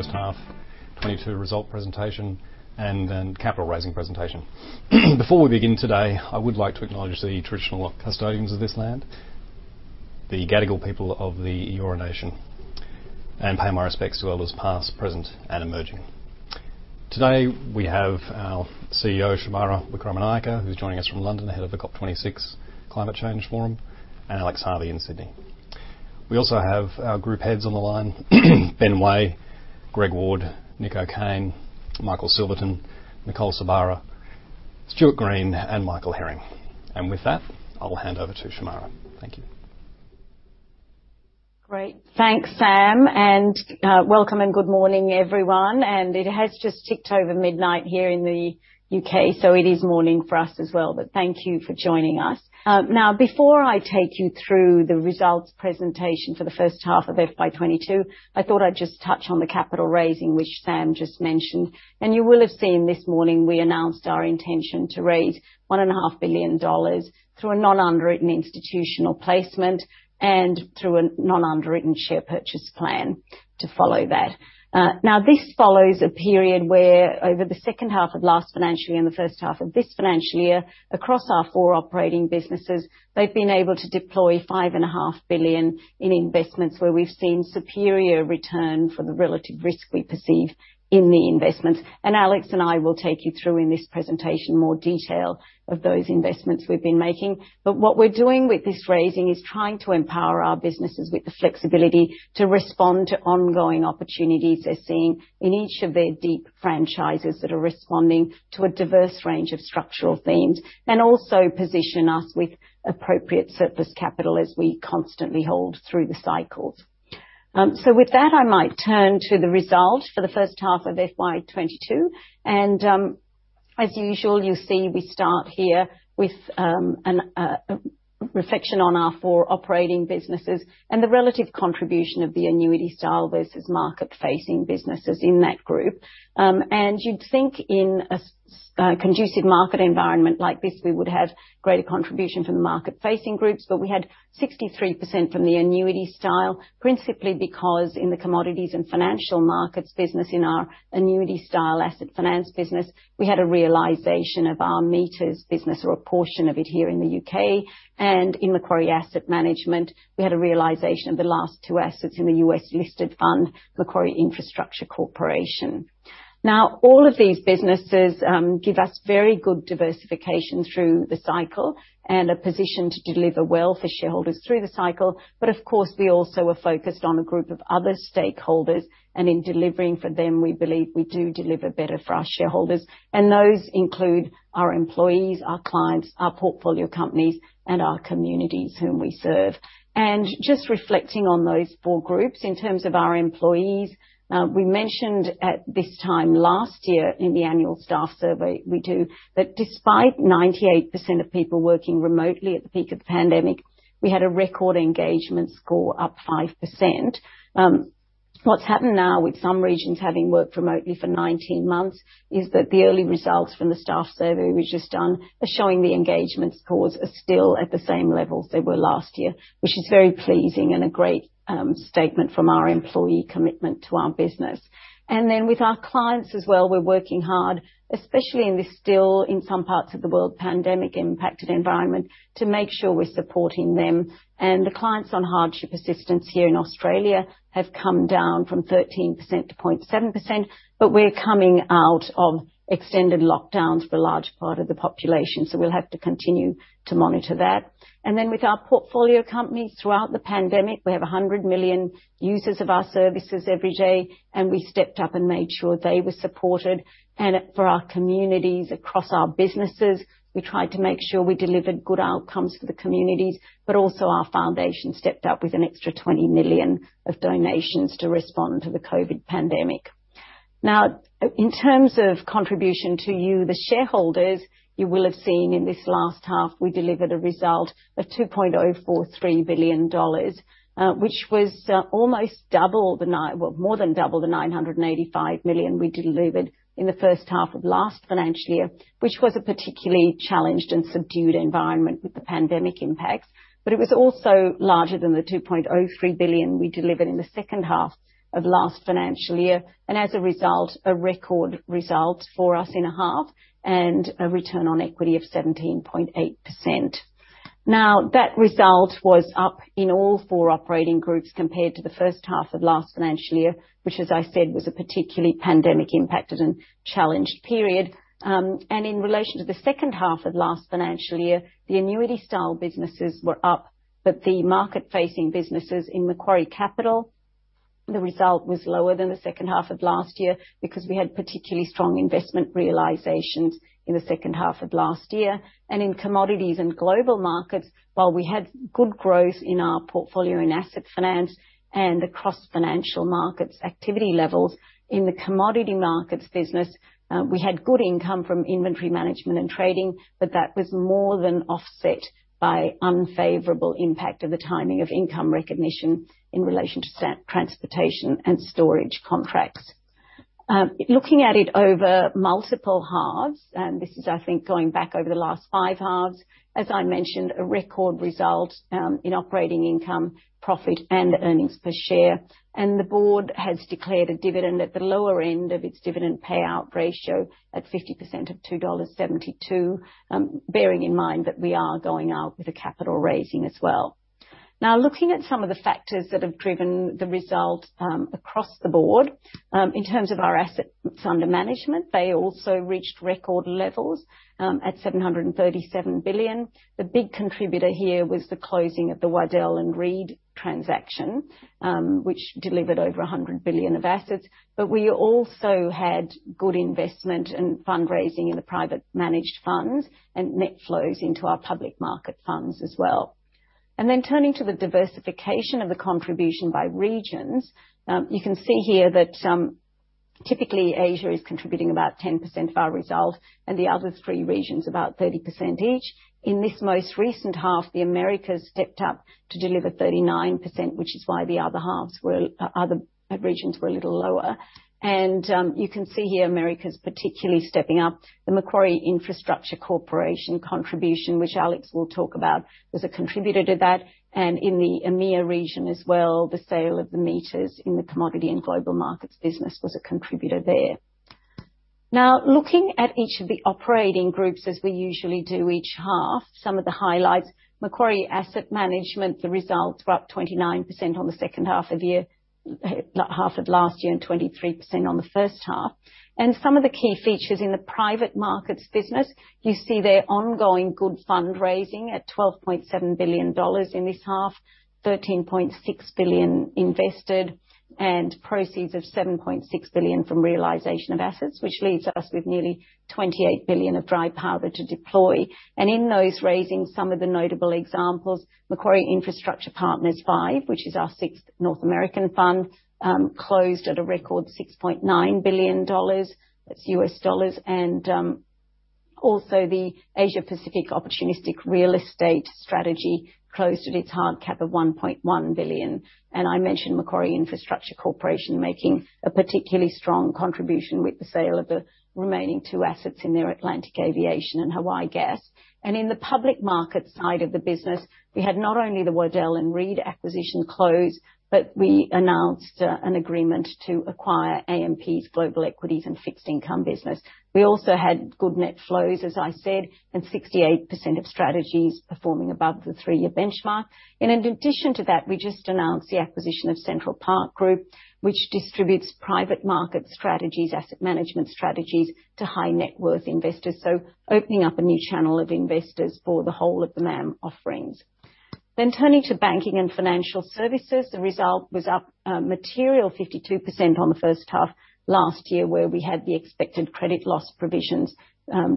First Half 2022 results presentation, and then capital raising presentation. Before we begin today, I would like to acknowledge the traditional custodians of this land, the Gadigal people of the Eora Nation, and pay my respects to elders past, present, and emerging. Today, we have our CEO, Shemara Wikramanayake, who's joining us from London ahead of the COP26 Climate Change Forum, and Alex Harvey in Sydney. We also have our group heads on the line, Ben Way, Greg Ward, Nick O'Kane, Michael Silverton, Nicole Sorbara, Stuart Green, and Michael Herring. With that, I'll hand over to Shemara. Thank you. Great. Thanks, Sam, and welcome and good morning, everyone. It has just ticked over midnight here in the U.K., so it is morning for us as well. Thank you for joining us. Now, before I take you through the results presentation for the first half of FY 2022, I thought I'd just touch on the capital raising, which Sam just mentioned. You will have seen this morning we announced our intention to raise 1.5 billion dollars through a non-underwritten institutional placement and through a non-underwritten share purchase plan to follow that. Now, this follows a period where over the second half of last financial year and the first half of this financial year, across our four operating businesses, they've been able to deploy 5.5 billion in investments where we've seen superior return for the relative risk we perceive in the investments. Alex and I will take you through in this presentation more detail of those investments we've been making. What we're doing with this raising is trying to empower our businesses with the flexibility to respond to ongoing opportunities they're seeing in each of their deep franchises that are responding to a diverse range of structural themes, and also position us with appropriate surplus capital as we constantly hold through the cycles. With that, I might turn to the result for the first half of FY 2022. As usual, you'll see we start here with a reflection on our four operating businesses and the relative contribution of the annuity style versus market-facing businesses in that group. You'd think in a conducive market environment like this, we would have greater contribution from the market-facing groups, but we had 63% from the annuity style, principally because in the Commodities and Global Markets business, in our annuity style asset finance business, we had a realization of our meters business or a portion of it here in the U.K. In Macquarie Asset Management, we had a realization of the last two assets in the U.S. listed fund, Macquarie Infrastructure Corporation. Now, all of these businesses give us very good diversification through the cycle and a position to deliver well for shareholders through the cycle. Of course, we also are focused on a group of other stakeholders, and in delivering for them, we believe we do deliver better for our shareholders. Those include our employees, our clients, our portfolio companies, and our communities whom we serve. Just reflecting on those four groups, in terms of our employees, we mentioned at this time last year in the annual staff survey we do, that despite 98% of people working remotely at the peak of the pandemic, we had a record engagement score up 5%. What's happened now with some regions having worked remotely for 19 months, is that the early results from the staff survey we've just done are showing the engagement scores are still at the same levels they were last year, which is very pleasing and a great statement from our employee commitment to our business. With our clients as well, we're working hard, especially in this still, in some parts of the world, pandemic impacted environment, to make sure we're supporting them. The clients on hardship assistance here in Australia have come down from 13%-0.7%, but we're coming out of extended lockdowns for a large part of the population, so we'll have to continue to monitor that. With our portfolio companies throughout the pandemic, we have 100 million users of our services every day, and we stepped up and made sure they were supported. For our communities across our businesses, we tried to make sure we delivered good outcomes for the communities. Also, our foundation stepped up with an extra 20 million of donations to respond to the COVID-19 pandemic. Now, in terms of contribution to you, the shareholders, you will have seen in this last half, we delivered a result of 2.043 billion dollars, which was almost double. Well, more than double the 985 million we delivered in the first half of last financial year, which was a particularly challenged and subdued environment with the pandemic impacts. It was also larger than the 2.03 billion we delivered in the second half of last financial year. As a result, a record result for us in a half and a return on equity of 17.8%. Now, that result was up in all four operating groups compared to the first half of last financial year, which, as I said, was a particularly pandemic impacted and challenged period. In relation to the second half of last financial year, the annuity style businesses were up, but the market-facing businesses in Macquarie Capital, the result was lower than the second half of last year because we had particularly strong investment realizations in the second half of last year. In Commodities and Global Markets, while we had good growth in our portfolio in asset finance and across financial markets activity levels, in the commodity markets business, we had good income from inventory management and trading, but that was more than offset by unfavorable impact of the timing of income recognition in relation to transportation and storage contracts. Looking at it over multiple halves, this is, I think, going back over the last five halves. As I mentioned, a record result in operating income, profit and earnings per share. The board has declared a dividend at the lower end of its dividend payout ratio at 50% of 2.72 dollars, bearing in mind that we are going out with a capital raising as well. Now, looking at some of the factors that have driven the result, across the board. In terms of our assets under management, they also reached record levels at 737 billion. The big contributor here was the closing of the Waddell & Reed transaction, which delivered over 100 billion of assets. We also had good investment and fundraising in the private managed funds and net flows into our public market funds as well. Turning to the diversification of the contribution by regions. You can see here that, typically, Asia is contributing about 10% of our results and the other three regions about 30% each. In this most recent half, the Americas stepped up to deliver 39%, which is why the other regions were a little lower. You can see here, Americas particularly stepping up. The Macquarie Infrastructure Corporation contribution, which Alex will talk about, was a contributor to that. In the EMEIA region as well, the sale of the meters in the commodity and global markets business was a contributor there. Now, looking at each of the operating groups, as we usually do each half. Some of the highlights. Macquarie Asset Management, the results were up 29% on the second half of last year and 23% on the first half. Some of the key features in the private markets business, you see their ongoing good fundraising at 12.7 billion dollars in this half, 13.6 billion invested and proceeds of 7.6 billion from realization of assets, which leaves us with nearly 28 billion of dry powder to deploy. In those raisings, some of the notable examples, Macquarie Infrastructure Partners Five, which is our sixth North American fund, closed at a record $6.9 billion. That's US dollars. Also the Asia Pacific opportunistic real estate strategy closed at its hard cap of 1.1 billion. I mentioned Macquarie Infrastructure Corporation making a particularly strong contribution with the sale of the remaining two assets in their Atlantic Aviation and Hawaii Gas. In the public market side of the business, we had not only the Waddell & Reed acquisition close, but we announced an agreement to acquire AMP's global equities and fixed income business. We also had good net flows, as I said, and 68% of strategies performing above the three-year benchmark. In addition to that, we just announced the acquisition of Central Park Group, which distributes private market strategies, asset management strategies to high net worth investors. Opening up a new channel of investors for the whole of the MAM offerings. Turning to Banking and Financial Services. The result was up material 52% on the first half last year, where we had the expected credit loss provisions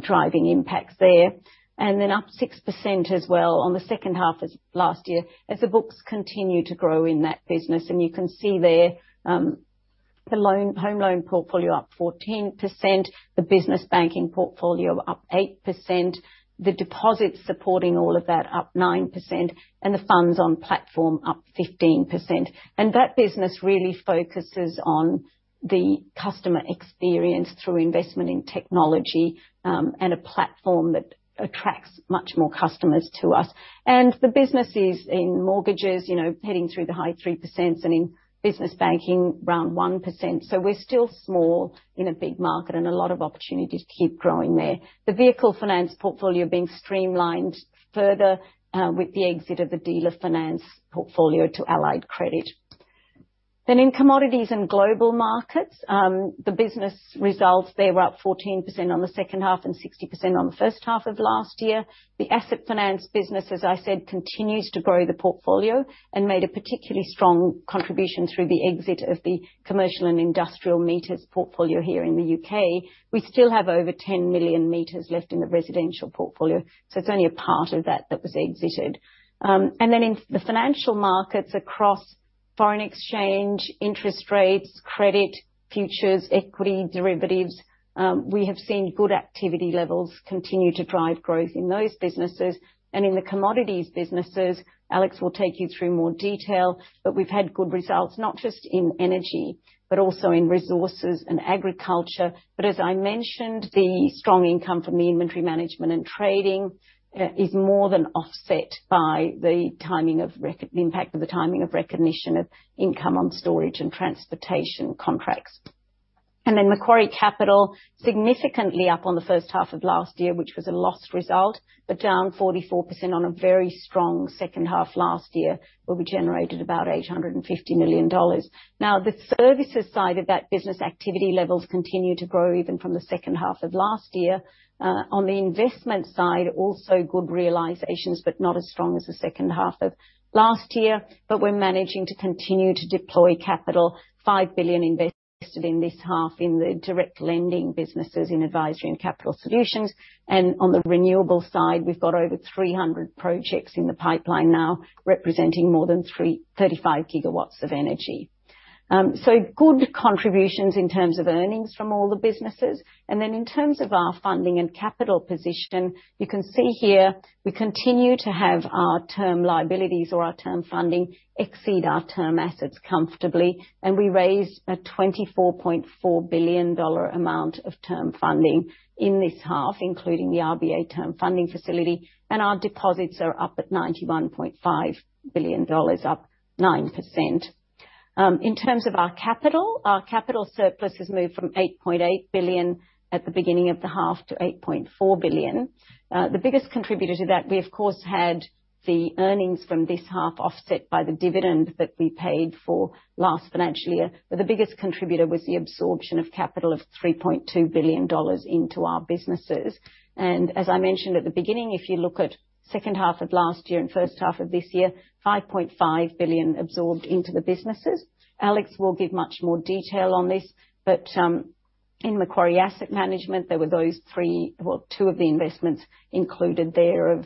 driving impacts there. Up 6% as well on the second half of last year as the books continue to grow in that business. You can see there, the home loan portfolio up 14%, the business banking portfolio up 8%, the deposits supporting all of that up 9% and the funds on platform up 15%. That business really focuses on the customer experience through investment in technology and a platform that attracts much more customers to us. The businesses in mortgages, you know, heading through the high 3% and in business banking around 1%. We're still small in a big market and a lot of opportunities to keep growing there. The vehicle finance portfolio being streamlined further with the exit of the dealer finance portfolio to Allied Credit. In commodities and global markets, the business results there were up 14% on the second half and 60% on the first half of last year. The asset finance business, as I said, continues to grow the portfolio and made a particularly strong contribution through the exit of the commercial and industrial meters portfolio here in the U.K. We still have over 10 million meters left in the residential portfolio. It's only a part of that that was exited. In the financial markets across foreign exchange, interest rates, credit, futures, equity, derivatives. We have seen good activity levels continue to drive growth in those businesses. In the commodities businesses, Alex will take you through more detail. We've had good results not just in energy, but also in resources and agriculture. As I mentioned, the strong income from the inventory management and trading is more than offset by the impact of the timing of recognition of income on storage and transportation contracts. Macquarie Capital significantly up on the first half of last year, which was a low result, but down 44% on a very strong second half last year, where we generated about 850 million dollars. Now, the services side of that business activity levels continue to grow even from the second half of last year. On the investment side, also good realizations, but not as strong as the second half of last year. We're managing to continue to deploy capital, 5 billion invested in this half in the direct lending businesses in Advisory and Capital Solutions. On the renewables side, we've got over 300 projects in the pipeline now representing more than 35 GW of energy. Good contributions in terms of earnings from all the businesses. In terms of our funding and capital position, you can see here we continue to have our term liabilities or our term funding exceed our term assets comfortably. We raised a 24.4 billion dollar amount of term funding in this half, including the RBA Term Funding Facility. Our deposits are up at 91.5 billion dollars, up 9%. In terms of our capital, our capital surplus has moved from 8.8 billion at the beginning of the half to 8.4 billion. The biggest contributor to that, we of course had the earnings from this half offset by the dividend that we paid for last financial year, where the biggest contributor was the absorption of capital of 3.2 billion dollars into our businesses. If you look at second half of last year and first half of this year, 5.5 billion absorbed into the businesses. Alex will give much more detail on this, but in Macquarie Asset Management, there were two of the investments included there of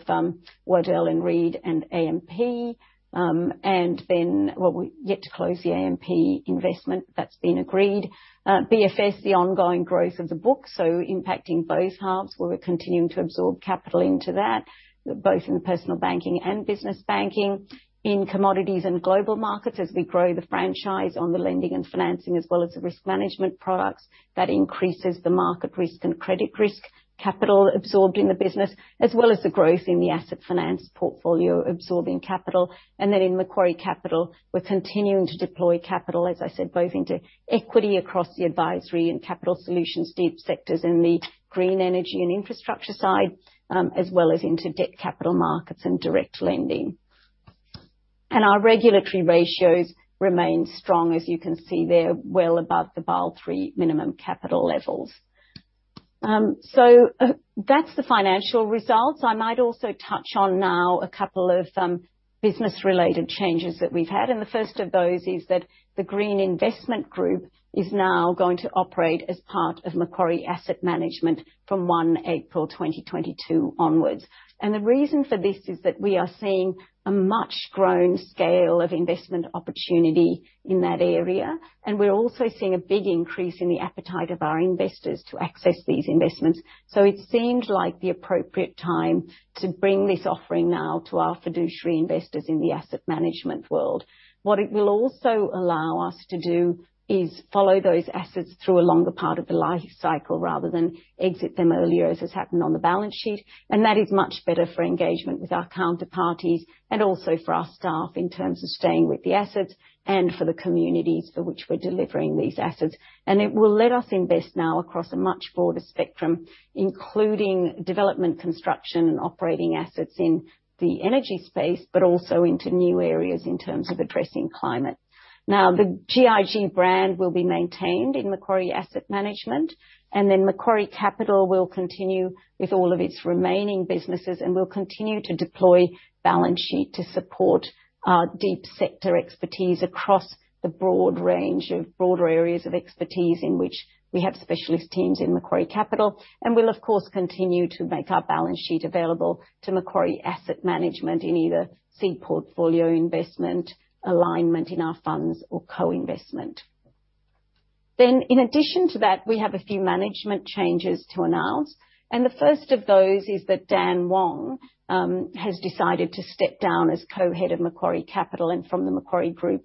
Waddell & Reed and AMP. We're yet to close the AMP investment that's been agreed. BFS, the ongoing growth of the book, so impacting both halves, where we're continuing to absorb capital into that, both in the personal banking and business banking. In Commodities and Global Markets, as we grow the franchise on the lending and financing, as well as the risk management products, that increases the market risk and credit risk capital absorbed in the business, as well as the growth in the asset finance portfolio absorbing capital. In Macquarie Capital, we're continuing to deploy capital, as I said, both into equity across the Advisory and Capital Solutions, key sectors in the green energy and infrastructure side, as well as into debt capital markets and direct lending. Our regulatory ratios remain strong. As you can see there, well above the Basel III minimum capital levels. That's the financial results. I might also touch on now a couple of business related changes that we've had. The first of those is that the Green Investment Group is now going to operate as part of Macquarie Asset Management from 1 April 2022 onwards. The reason for this is that we are seeing a much greater scale of investment opportunity in that area. We're also seeing a big increase in the appetite of our investors to access these investments. It seems like the appropriate time to bring this offering now to our fiduciary investors in the asset management world. What it will also allow us to do is follow those assets through a longer part of the life cycle rather than exit them earlier, as has happened on the balance sheet. That is much better for engagement with our counterparties and also for our staff in terms of staying with the assets and for the communities for which we're delivering these assets. It will let us invest now across a much broader spectrum, including development, construction and operating assets in the energy space, but also into new areas in terms of addressing climate. Now, the GIG brand will be maintained in Macquarie Asset Management, and then Macquarie Capital will continue with all of its remaining businesses and will continue to deploy balance sheet to support our deep sector expertise across the broad range of broader areas of expertise in which we have specialist teams in Macquarie Capital. We'll of course, continue to make our balance sheet available to Macquarie Asset Management in either seed portfolio investment alignment in our funds or co-investment. In addition to that, we have a few management changes to announce. The first of those is that Dan Wong has decided to step down as co-head of Macquarie Capital and from the Macquarie Group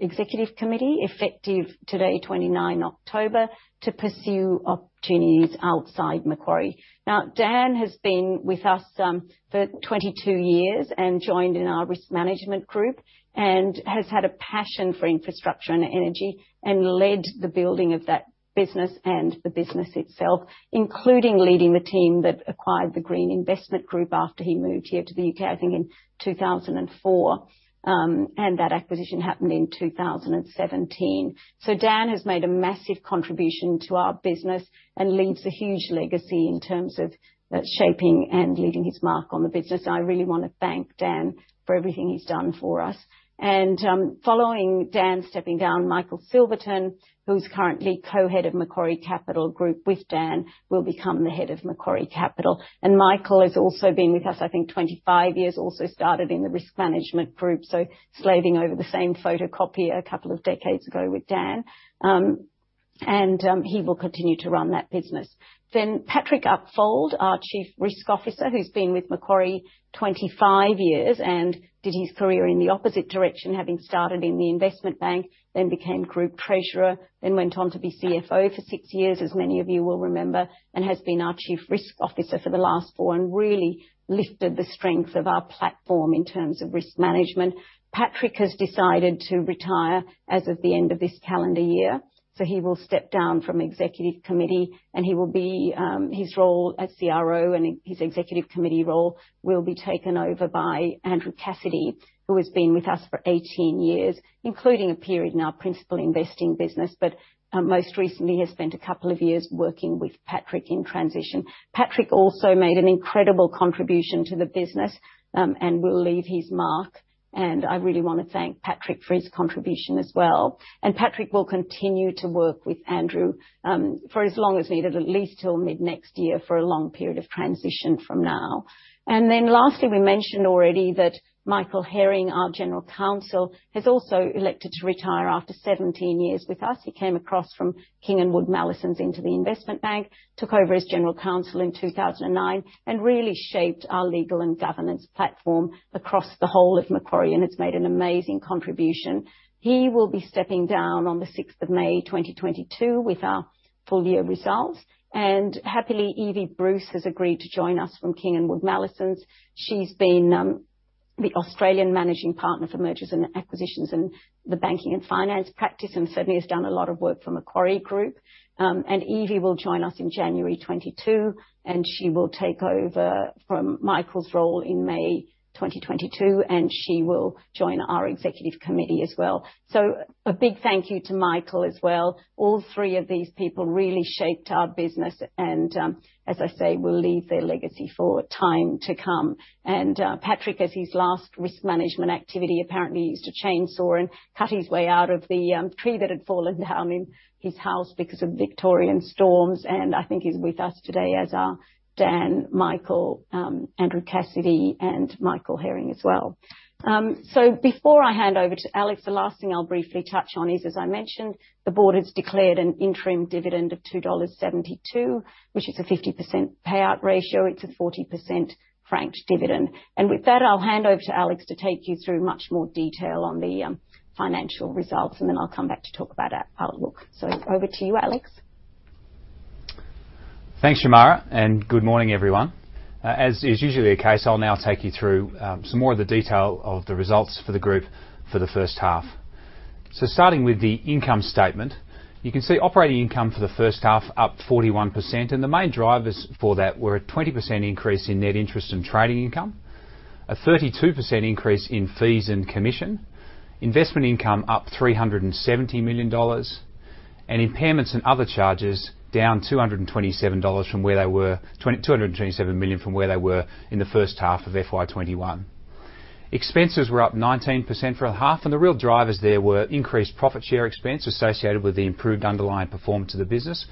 executive committee, effective today, 29 October, to pursue opportunities outside Macquarie. Now, Dan has been with us for 22 years and joined in our Risk Management Group and has had a passion for infrastructure and energy and led the building of that business and the business itself, including leading the team that acquired the Green Investment Group after he moved here to the U.K., I think, in 2004. That acquisition happened in 2017. Dan has made a massive contribution to our business and leaves a huge legacy in terms of shaping and leaving his mark on the business. I really wanna thank Dan for everything he's done for us. Following Dan stepping down, Michael Silverton, who's currently co-head of Macquarie Capital with Dan, will become the head of Macquarie Capital. Michael has also been with us, I think 25 years. He also started in the risk management group, so slaving over the same photocopier a couple of decades ago with Dan. He will continue to run that business. Patrick Upfold, our Chief Risk Officer, who's been with Macquarie 25 years and did his career in the opposite direction, having started in the investment bank, then became Group Treasurer, then went on to be CFO for six years, as many of you will remember, and has been our Chief Risk Officer for the last 4, and really lifted the strength of our platform in terms of risk management. Patrick has decided to retire as of the end of this calendar year. He will step down from Executive Committee and he will be, his role as CRO and his Executive Committee role will be taken over by Andrew Cassidy, who has been with us for 18 years, including a period in our principal investing business. Most recently has spent a couple of years working with Patrick in transition. Patrick also made an incredible contribution to the business, and will leave his mark. I really wanna thank Patrick for his contribution as well. Patrick will continue to work with Andrew, for as long as needed, at least till mid-next year for a long period of transition from now. Then lastly, we mentioned already that Michael Herring, our General Counsel, has also elected to retire after 17 years with us. He came across from King & Wood Mallesons into the investment bank, took over as general counsel in 2009 and really shaped our legal and governance platform across the whole of Macquarie and has made an amazing contribution. He will be stepping down on the 6th of May 2022 with our full year results. Happily, Evie Bruce has agreed to join us from King & Wood Mallesons. She's been the Australian managing partner for mergers and acquisitions and the banking and finance practice, and certainly has done a lot of work for Macquarie Group. Evie will join us in January 2022, and she will take over from Michael's role in May 2022, and she will join our executive committee as well. A big thank you to Michael as well. All three of these people really shaped our business and, as I say, will leave their legacy for time to come. Patrick, as his last risk management activity, apparently used a chainsaw and cut his way out of the tree that had fallen down in his house because of Victorian storms. I think he's with us today, as are Dan, Michael, Andrew Cassidy, and Michael Herring as well. Before I hand over to Alex, the last thing I'll briefly touch on is, as I mentioned, the board has declared an interim dividend of 2.72 dollars, which is a 50% payout ratio. It's a 40% franked dividend. With that, I'll hand over to Alex to take you through much more detail on the financial results, and then I'll come back to talk about our outlook. Over to you, Alex. Thanks, Shemara, and good morning, everyone. As is usually the case, I'll now take you through some more of the detail of the results for the group for the first half. Starting with the income statement, you can see operating income for the first half up 41%, and the main drivers for that were a 20% increase in net interest and trading income, a 32% increase in fees and commission, investment income up 370 million dollars, and impairments and other charges down 227 million dollars from where they were in the first half of FY 2021. Expenses were up 19% for a half, and the real drivers there were increased profit share expense associated with the improved underlying performance of the business,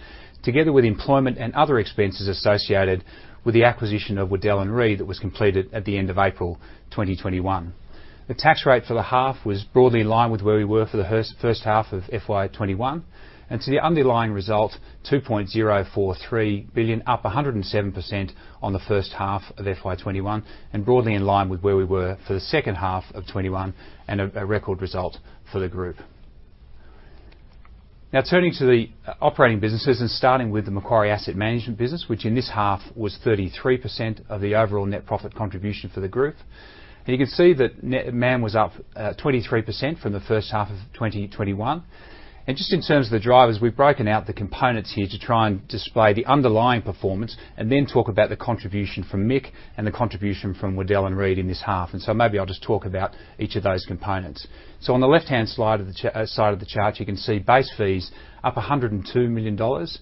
together with employment and other expenses associated with the acquisition of Waddell & Reed that was completed at the end of April 2021. The tax rate for the half was broadly in line with where we were for the first half of FY 2021. To the underlying result, 2.043 billion, up 107% on the first half of FY 2021, and broadly in line with where we were for the second half of 2021, and a record result for the group. Now turning to the operating businesses and starting with the Macquarie Asset Management business, which in this half was 33% of the overall net profit contribution for the group. You can see that MAAM was up 23% from the first half of 2021. Just in terms of the drivers, we've broken out the components here to try and display the underlying performance and then talk about the contribution from MIC and the contribution from Waddell & Reed in this half. Maybe I'll just talk about each of those components. On the left-hand side of the chart, you can see base fees up 102 million dollars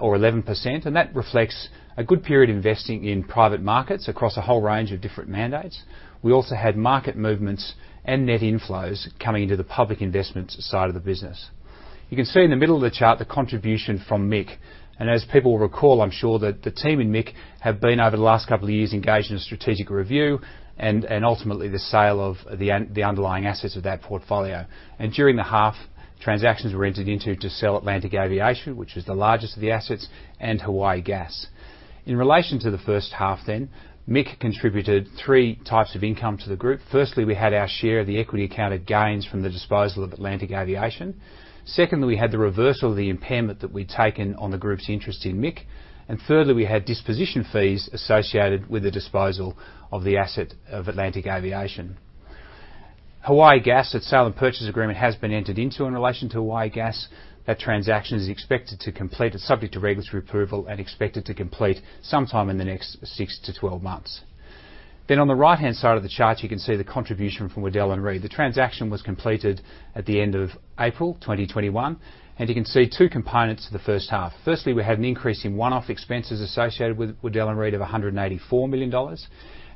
or 11%, and that reflects a good period investing in private markets across a whole range of different mandates. We also had market movements and net inflows coming into the public investments side of the business. You can see in the middle of the chart the contribution from MIC. As people will recall, I'm sure that the team in MIC have been, over the last couple of years, engaged in a strategic review and ultimately the sale of the underlying assets of that portfolio. During the half, transactions were entered into to sell Atlantic Aviation, which was the largest of the assets, and Hawaii Gas. In relation to the first half then, MIC contributed three types of income to the group. Firstly, we had our share of the equity account of gains from the disposal of Atlantic Aviation. Secondly, we had the reversal of the impairment that we'd taken on the group's interest in MIC. Thirdly, we had disposition fees associated with the disposal of the asset of Atlantic Aviation. Hawaii Gas, that sale and purchase agreement has been entered into in relation to Hawaii Gas. That transaction is expected to complete. It's subject to regulatory approval and expected to complete sometime in the next 6-12 months. On the right-hand side of the chart, you can see the contribution from Waddell & Reed. The transaction was completed at the end of April 2021, and you can see two components for the first half. Firstly, we had an increase in one-off expenses associated with Waddell & Reed of $184 million,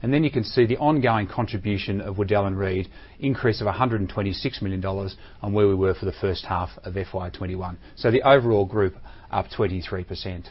and then you can see the ongoing contribution of Waddell & Reed increase of $126 million on where we were for the first half of FY 2021. The overall group up 23%.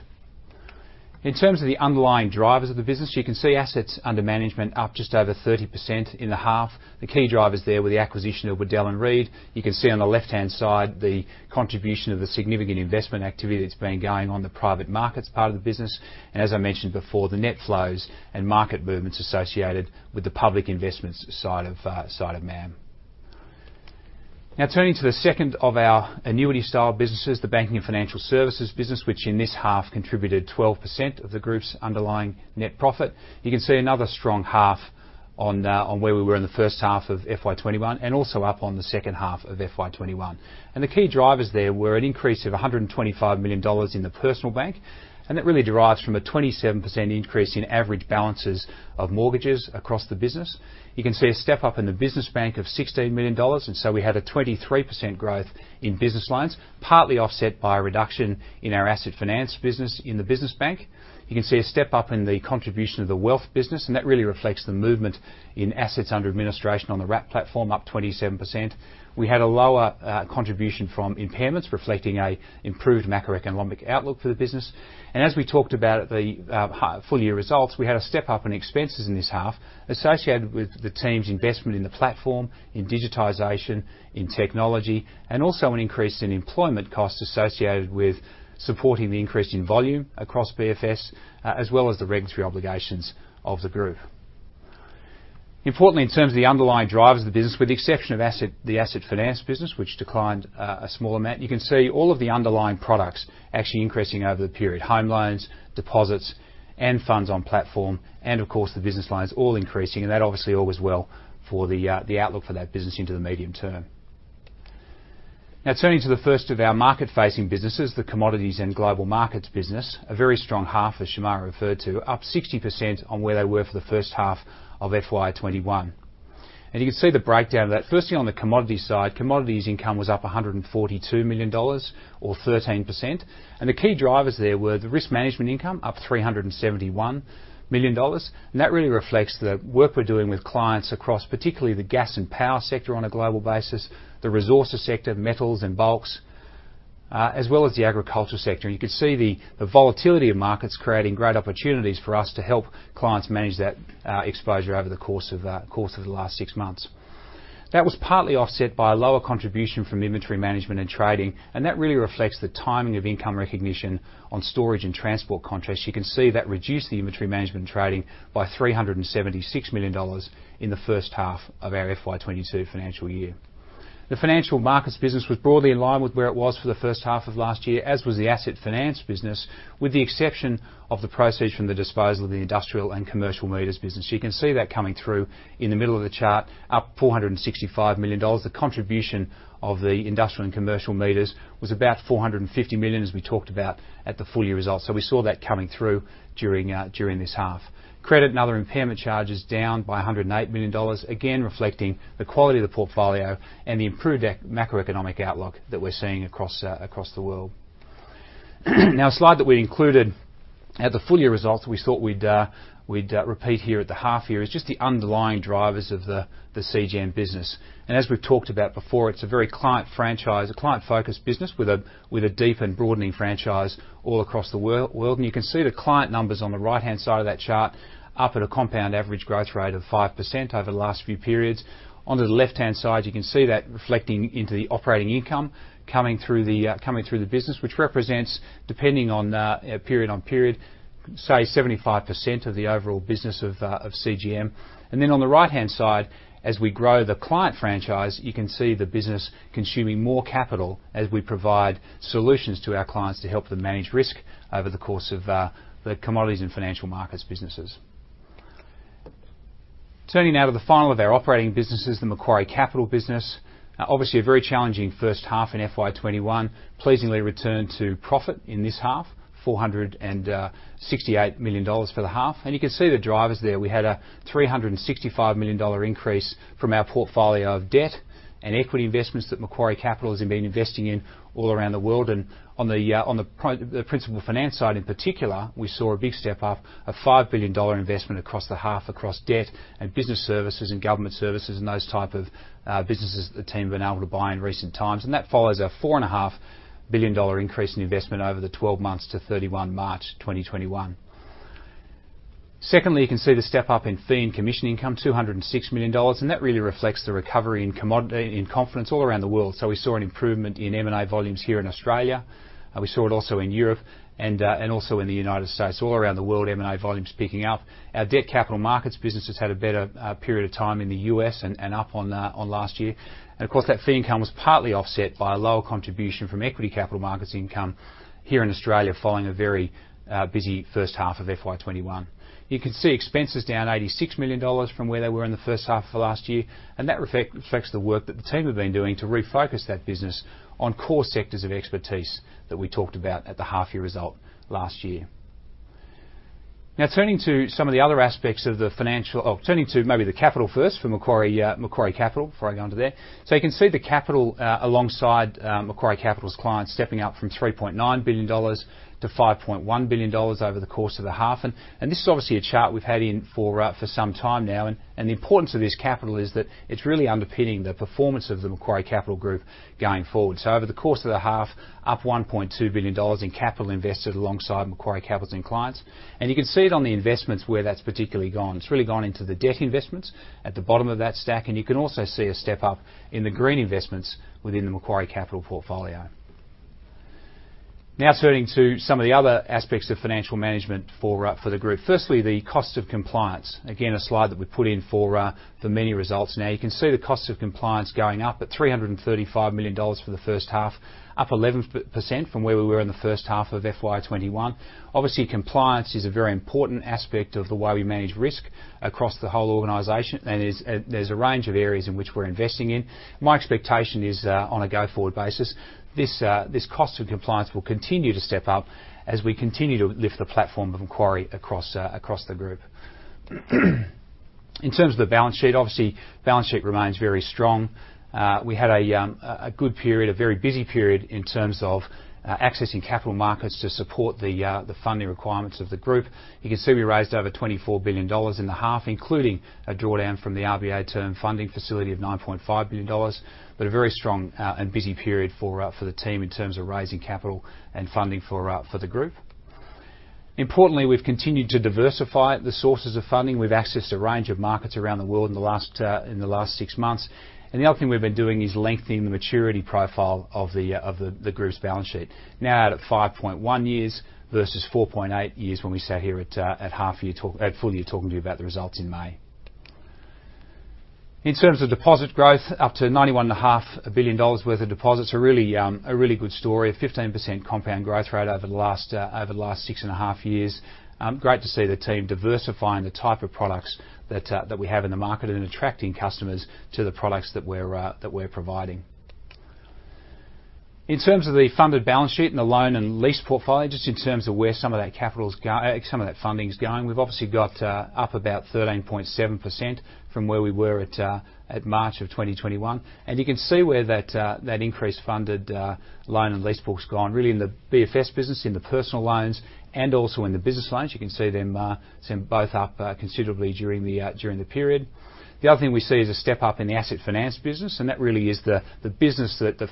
In terms of the underlying drivers of the business, you can see assets under management up just over 30% in the half. The key drivers there were the acquisition of Waddell & Reed. You can see on the left-hand side the contribution of the significant investment activity that's been going on, the private markets part of the business, and as I mentioned before, the net flows and market movements associated with the public investments side of MAAM. Now turning to the second of our annuity-style businesses, the Banking and Financial Services business, which in this half contributed 12% of the group's underlying net profit. You can see another strong half on where we were in the first half of FY 2021 and also up on the second half of FY 2021. The key drivers there were an increase of 125 million dollars in the personal bank, and that really derives from a 27% increase in average balances of mortgages across the business. You can see a step up in the business bank of 16 million dollars, and so we had a 23% growth in business loans, partly offset by a reduction in our asset finance business in the business bank. You can see a step up in the contribution of the wealth business, and that really reflects the movement in assets under administration on the Wrap platform, up 27%. We had a lower contribution from impairments, reflecting an improved macroeconomic outlook for the business. As we talked about at the full year results, we had a step up in expenses in this half associated with the team's investment in the platform, in digitization, in technology, and also an increase in employment costs associated with supporting the increase in volume across BFS, as well as the regulatory obligations of the group. Importantly, in terms of the underlying drivers of the business, with the exception of the asset finance business, which declined a small amount, you can see all of the underlying products actually increasing over the period. Home loans, deposits, and funds on platform, and of course, the business loans all increasing, and that obviously all was well for the outlook for that business into the medium term. Now turning to the first of our market-facing businesses, the Commodities and Global Markets business. A very strong half, as Shemara referred to, up 60% on where they were for the first half of FY 2021. You can see the breakdown of that. Firstly, on the commodity side, commodities income was up 142 million dollars or 13%. The key drivers there were the risk management income, up 371 million dollars. That really reflects the work we're doing with clients across particularly the gas and power sector on a global basis, the resources sector, metals and bulks, as well as the agricultural sector. You can see the volatility of markets creating great opportunities for us to help clients manage that exposure over the course of the last six months. That was partly offset by a lower contribution from inventory management and trading, and that really reflects the timing of income recognition on storage and transport contracts. You can see that reduced the inventory management and trading by AUD 376 million in the first half of our FY 2022 financial year. The financial markets business was broadly in line with where it was for the first half of last year, as was the asset finance business, with the exception of the proceeds from the disposal of the industrial and commercial meters business. You can see that coming through in the middle of the chart, up 465 million dollars. The contribution of the industrial and commercial meters was about 450 million, as we talked about at the full year results. We saw that coming through during this half. Credit and other impairment charges down by 108 million dollars, again, reflecting the quality of the portfolio and the improved macroeconomic outlook that we're seeing across the world. Now, a slide that we included at the full year results, we thought we'd repeat here at the half year is just the underlying drivers of the CGM business. As we've talked about before, it's a very client franchise, a client-focused business with a deep and broadening franchise all across the world. You can see the client numbers on the right-hand side of that chart up at a compound average growth rate of 5% over the last few periods. On the left-hand side, you can see that reflecting into the operating income coming through the business, which represents, depending on period on period, say 75% of the overall business of CGM. Then on the right-hand side, as we grow the client franchise, you can see the business consuming more capital as we provide solutions to our clients to help them manage risk over the course of the commodities and financial markets businesses. Turning now to the final of our operating businesses, the Macquarie Capital business. Obviously a very challenging first half in FY 2021. Pleasingly returned to profit in this half, 468 million dollars for the half. You can see the drivers there. We had a 365 million dollar increase from our portfolio of debt and equity investments that Macquarie Capital has been investing in all around the world. On the principal finance side in particular, we saw a big step up, 5 billion dollar investment across the half across debt and business services and government services and those type of businesses the team have been able to buy in recent times. That follows 4.5 billion dollar increase in investment over the 12 months to 31 March 2021. Secondly, you can see the step up in fee and commission income, 206 million dollars, and that really reflects the recovery in commodity confidence all around the world. We saw an improvement in M&A volumes here in Australia, and we saw it also in Europe and also in the United States. All around the world, M&A volumes picking up. Our debt capital markets business has had a better period of time in the U.S. and up on last year. Of course, that fee income was partly offset by a lower contribution from equity capital markets income here in Australia, following a very busy first half of FY 2021. You can see expenses down 86 million dollars from where they were in the first half of last year, and that reflects the work that the team have been doing to refocus that business on core sectors of expertise that we talked about at the half year result last year. Turning to maybe the capital first for Macquarie Capital before I go onto there. You can see the capital, alongside, Macquarie Capital's clients stepping up from 3.9 billion-5.1 billion dollars over the course of the half. This is obviously a chart we've had in for some time now. The importance of this capital is that it's really underpinning the performance of the Macquarie Capital group going forward. Over the course of the half, up 1.2 billion dollars in capital invested alongside Macquarie Capital and clients. You can see it on the investments where that's particularly gone. It's really gone into the debt investments at the bottom of that stack, and you can also see a step up in the green investments within the Macquarie Capital portfolio. Now turning to some of the other aspects of financial management for the group. Firstly, the cost of compliance. Again, a slide that we put in for many results now. You can see the cost of compliance going up at 335 million dollars for the first half, up 11% from where we were in the first half of FY 2021. Obviously, compliance is a very important aspect of the way we manage risk across the whole organization. There is a range of areas in which we're investing in. My expectation is, on a go forward basis, this cost of compliance will continue to step up as we continue to lift the platform of Macquarie across the group. In terms of the balance sheet, obviously balance sheet remains very strong. We had a good period, a very busy period in terms of accessing capital markets to support the funding requirements of the group. You can see we raised over 24 billion dollars in the half, including a drawdown from the RBA Term Funding Facility of 9.5 billion dollars. A very strong and busy period for the team in terms of raising capital and funding for the group. Importantly, we've continued to diversify the sources of funding. We've accessed a range of markets around the world in the last six months. The other thing we've been doing is lengthening the maturity profile of the group's balance sheet. Now out at 5.1 years versus 4.8 years when we sat here at half year talk, at full year talking to you about the results in May. In terms of deposit growth, up to 91.5 billion dollars worth of deposits, a really good story. A 15% compound growth rate over the last six and a half years. Great to see the team diversifying the type of products that we have in the market and attracting customers to the products that we're providing. In terms of the funded balance sheet and the loan and lease portfolio, just in terms of where some of that funding's going, we've obviously got up about 13.7% from where we were at March 2021. You can see where that increased funded loan and lease book's gone, really in the BFS business, in the personal loans, and also in the business loans. You can see them both up considerably during the period. The other thing we see is a step up in the asset finance business, and that really is the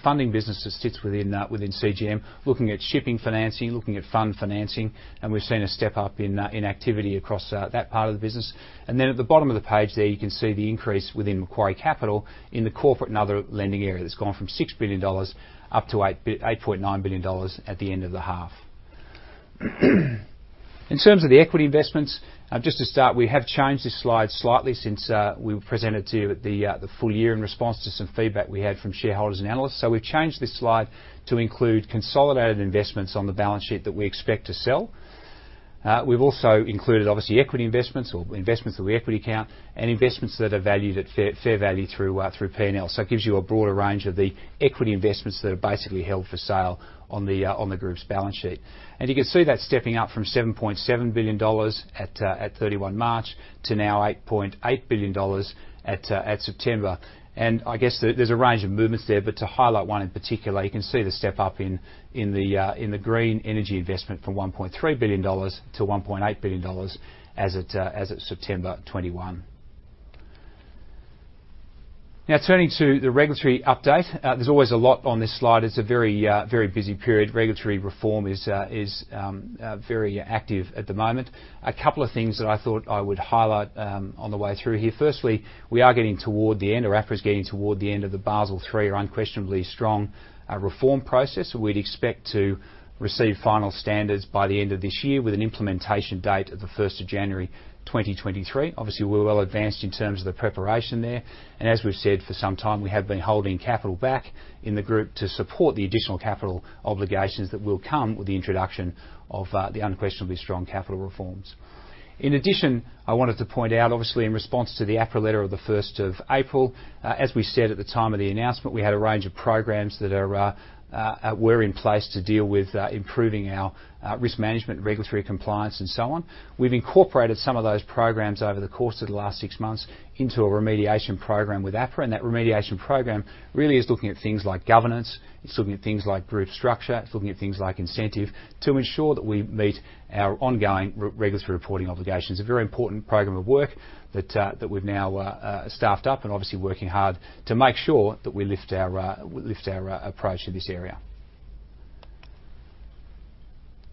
funding business that sits within CGM. Looking at shipping financing, looking at fund financing, and we've seen a step up in activity across that part of the business. Then at the bottom of the page there, you can see the increase within Macquarie Capital in the corporate and other lending area. That's gone from 6 billion-8.9 billion dollars at the end of the half. In terms of the equity investments, just to start, we have changed this slide slightly since we presented to you at the full year in response to some feedback we had from shareholders and analysts. We've changed this slide to include consolidated investments on the balance sheet that we expect to sell. We've also included, obviously, equity investments or investments through the equity account and investments that are valued at fair value through P&L. It gives you a broader range of the equity investments that are basically held for sale on the group's balance sheet. You can see that stepping up from 7.7 billion dollars at 31 March to now 8.8 billion dollars at September. I guess there's a range of movements there. To highlight one in particular, you can see the step up in the green energy investment from 1.3 billion-1.8 billion dollars as at September 2021. Now, turning to the regulatory update. There's always a lot on this slide. It's a very busy period. Regulatory reform is very active at the moment. A couple of things that I thought I would highlight on the way through here. Firstly, we are getting toward the end, or APRA's getting toward the end of the Basel III unquestionably strong reform process. We'd expect to receive final standards by the end of this year with an implementation date of January 1, 2023. Obviously, we're well advanced in terms of the preparation there, and as we've said for some time, we have been holding capital back in the group to support the additional capital obligations that will come with the introduction of the unquestionably strong capital reforms. In addition, I wanted to point out, obviously in response to the APRA letter of the first of April, as we said at the time of the announcement, we had a range of programs that were in place to deal with improving our risk management, regulatory compliance and so on. We've incorporated some of those programs over the course of the last six months into a remediation program with APRA, and that remediation program really is looking at things like governance. It's looking at things like group structure. It's looking at things like incentive to ensure that we meet our ongoing regulatory reporting obligations. A very important program of work that we've now staffed up and obviously working hard to make sure that we lift our approach in this area.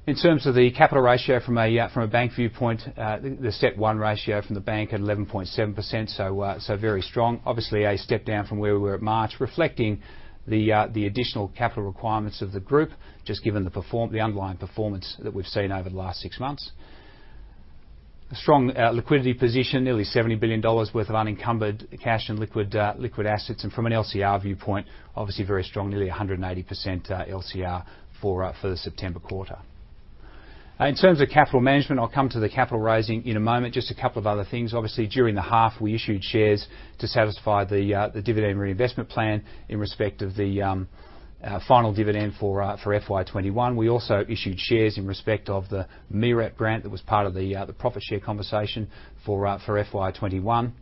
In terms of the capital ratio from a bank viewpoint, the step one ratio from the bank at 11.7%, so very strong. Obviously, a step down from where we were at March, reflecting the additional capital requirements of the group, just given the underlying performance that we've seen over the last six months. A strong liquidity position. Nearly 70 billion dollars worth of unencumbered cash and liquid assets. From an LCR viewpoint, obviously very strong. Nearly 180% LCR for the September quarter. In terms of capital management, I'll come to the capital raising in a moment. Just a couple of other things. Obviously, during the half we issued shares to satisfy the dividend reinvestment plan in respect of the final dividend for FY 2021. We also issued shares in respect of the MEREP grant that was part of the profit share conversation for FY 2021.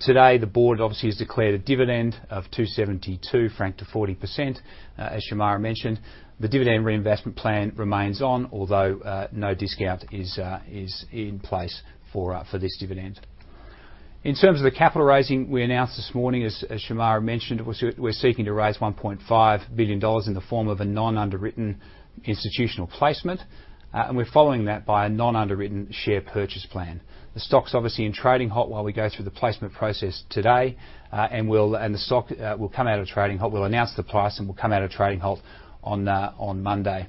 Today the board obviously has declared a dividend of AUD 2.72 franked to 40%. As Shemara mentioned, the dividend reinvestment plan remains on, although no discount is in place for this dividend. In terms of the capital raising, we announced this morning, as Shemara mentioned, we're seeking to raise 1.5 billion dollars in the form of a non-underwritten institutional placement. We're following that by a non-underwritten share purchase plan. The stock's obviously in trading halt while we go through the placement process today. We'll come out of trading halt. We'll announce the price, and we'll come out of trading halt on Monday.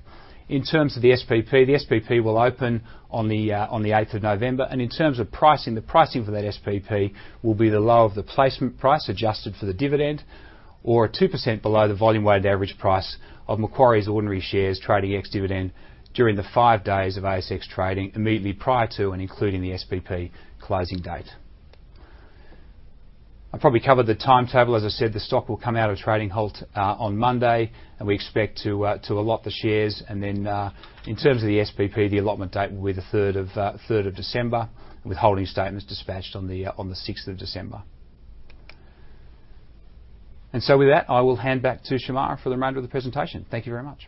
In terms of the SPP, the SPP will open on the eighth of November. In terms of pricing, the pricing for that SPP will be the low of the placement price adjusted for the dividend or 2% below the volume-weighted average price of Macquarie's ordinary shares trading ex-dividend during the five days of ASX trading immediately prior to and including the SPP closing date. I probably covered the timetable. As I said, the stock will come out of trading halt on Monday, and we expect to allot the shares. In terms of the SPP, the allotment date will be the third of December, with holding statements dispatched on the sixth of December. With that, I will hand back to Shemara for the remainder of the presentation. Thank you very much.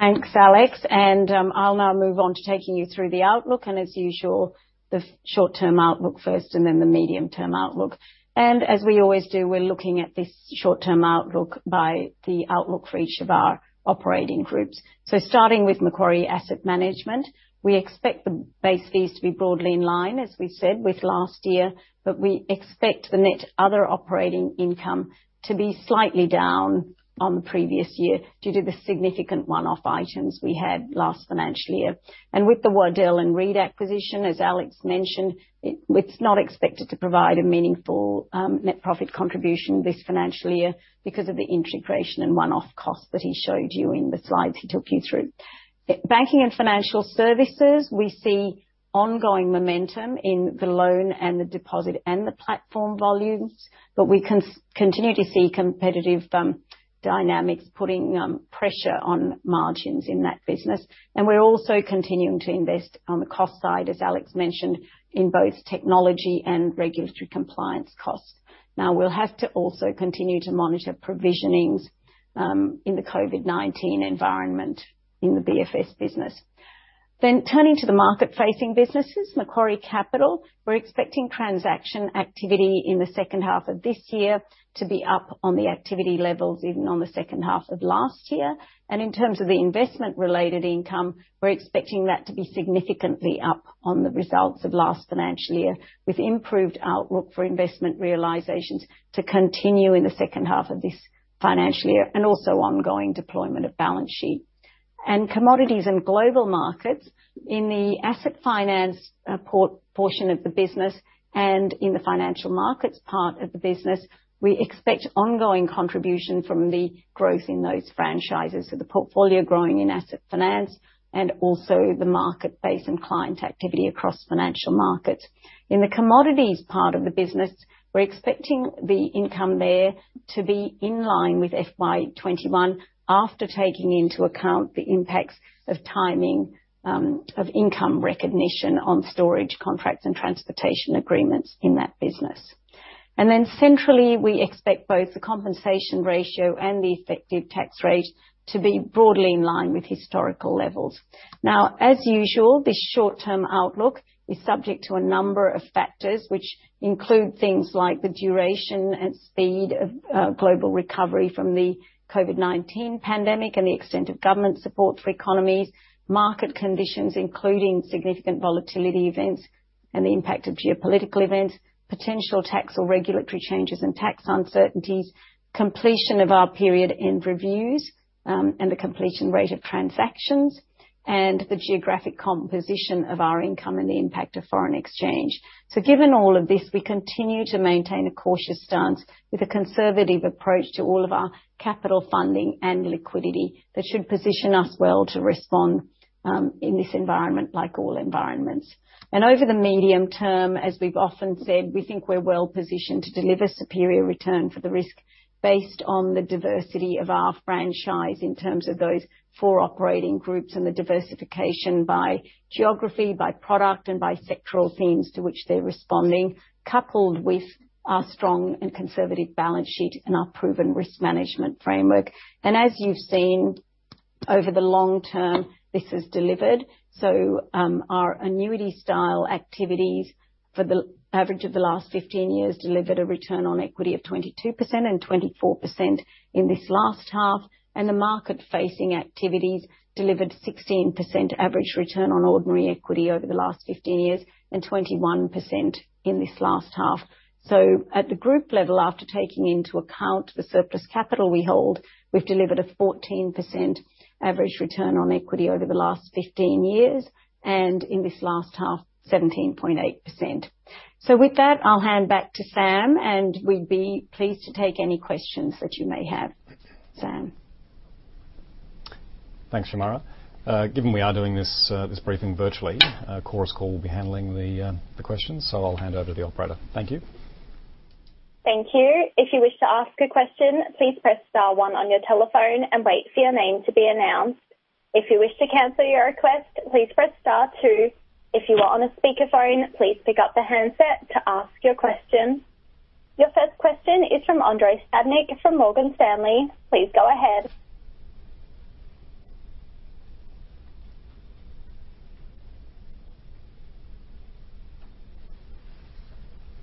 Thanks, Alex. I'll now move on to taking you through the outlook. As usual, the short-term outlook first and then the medium-term outlook. As we always do, we're looking at this short-term outlook via the outlook for each of our operating groups. Starting with Macquarie Asset Management, we expect the base fees to be broadly in line, as we said, with last year. We expect the net other operating income to be slightly down on the previous year due to the significant one-off items we had last financial year. With the Waddell & Reed acquisition, as Alex mentioned, it's not expected to provide a meaningful net profit contribution this financial year because of the integration and one-off costs that he showed you in the slides he took you through. Banking and Financial Services, we see ongoing momentum in the loan and the deposit and the platform volumes, but we continue to see competitive dynamics putting pressure on margins in that business. We're also continuing to invest on the cost side, as Alex mentioned, in both technology and regulatory compliance costs. Now, we'll have to also continue to monitor provisionings in the COVID-19 environment in the BFS business. Turning to the market-facing businesses, Macquarie Capital. We're expecting transaction activity in the second half of this year to be up on the activity levels even on the second half of last year. In terms of the investment-related income, we're expecting that to be significantly up on the results of last financial year, with improved outlook for investment realizations to continue in the second half of this financial year, and also ongoing deployment of balance sheet. Commodities and Global Markets. In the asset finance portion of the business and in the financial markets part of the business, we expect ongoing contribution from the growth in those franchises. The portfolio growing in asset finance and also the market base and client activity across financial markets. In the commodities part of the business, we're expecting the income there to be in line with FY 2021, after taking into account the impacts of timing, of income recognition on storage contracts and transportation agreements in that business. Centrally, we expect both the compensation ratio and the effective tax rate to be broadly in line with historical levels. Now, as usual, this short-term outlook is subject to a number of factors, which include things like the duration and speed of global recovery from the COVID-19 pandemic and the extent of government support for economies, market conditions, including significant volatility events and the impact of geopolitical events, potential tax or regulatory changes and tax uncertainties, completion of our period-end reviews, and the completion rate of transactions, and the geographic composition of our income and the impact of foreign exchange. Given all of this, we continue to maintain a cautious stance with a conservative approach to all of our capital funding and liquidity that should position us well to respond in this environment like all environments. Over the medium term, as we've often said, we think we're well positioned to deliver superior return for the risk based on the diversity of our franchise in terms of those four operating groups and the diversification by geography, by product, and by sectoral themes to which they're responding, coupled with our strong and conservative balance sheet and our proven risk management framework. As you've seen over the long term, this is delivered. Our annuity style activities for the average of the last 15 years delivered a return on equity of 22% and 24% in this last half, and the market-facing activities delivered 16% average return on ordinary equity over the last 15 years and 21% in this last half. At the group level, after taking into account the surplus capital we hold, we've delivered a 14% average return on equity over the last 15 years, and in this last half, 17.8%. With that, I'll hand back to Sam, and we'd be pleased to take any questions that you may have. Sam. Thanks, Shemara. Given we are doing this briefing virtually, Chorus Call will be handling the questions. I'll hand over to the operator. Thank you. Thank you. If you wish to ask a question, please press star one on your telephone and wait for your name to be announced. If you wish to cancel your request, please press star two. If you are on a speakerphone, please pick up the handset to ask your question. Your first question is from Andrei Stadnik from Morgan Stanley. Please go ahead.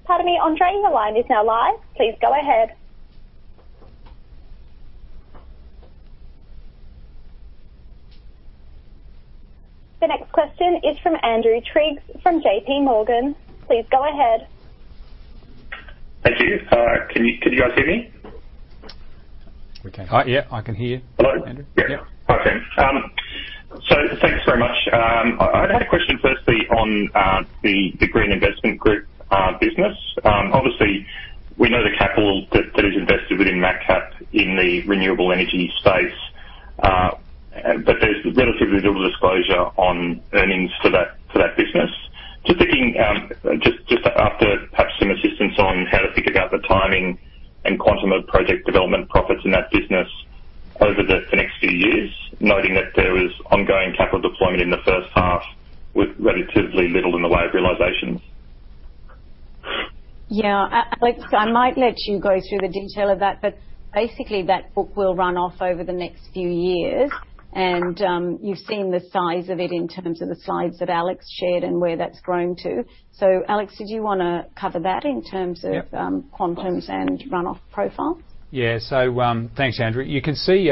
Pardon me, Andrei, your line is now live. Please go ahead. The next question is from Andrew Triggs from J.P. Morgan. Please go ahead. Thank you. Can you guys hear me? We can. Yeah, I can hear you, Andrew. Hello? Yeah. Yeah. Okay. Thanks very much. I had a question firstly on the Green Investment Group business. Obviously we know the capital that is invested within MacCap in the renewable energy space, but there's relatively little disclosure on earnings for that business. Just thinking, just after perhaps some assistance on how to think about the timing and quantum of project development profits in that business over the next few years, noting that there is ongoing capital deployment in the first half with relatively little in the way of realizations. Yeah. Alex, I might let you go through the detail of that, but basically that book will run off over the next few years. You've seen the size of it in terms of the slides that Alex shared and where that's grown to. Alex, did you wanna cover that in terms of- Yeah. Quantums and runoff profile? Yeah. Thanks, Andrew. You can see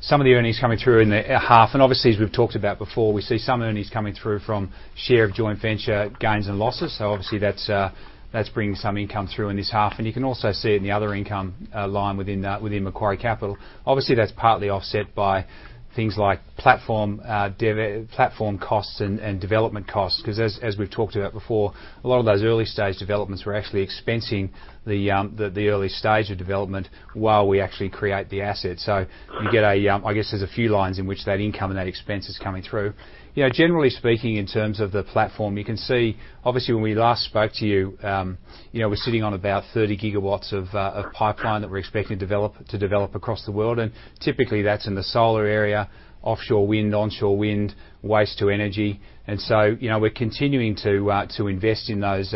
some of the earnings coming through in the half, and obviously as we've talked about before, we see some earnings coming through from share of joint venture gains and losses. Obviously that's bringing some income through in this half. You can also see in the other income line within Macquarie Capital. Obviously that's partly offset by things like platform costs and development costs. 'Cause as we've talked about before, a lot of those early stage developments we're actually expensing the early stage of development while we actually create the asset. You get a, I guess there's a few lines in which that income and that expense is coming through. Yeah, generally speaking, in terms of the platform, you can see, obviously, when we last spoke to you know, we're sitting on about 30 GW of pipeline that we're expecting to develop across the world. Typically, that's in the solar area, offshore wind, onshore wind, waste to energy. You know, we're continuing to invest in those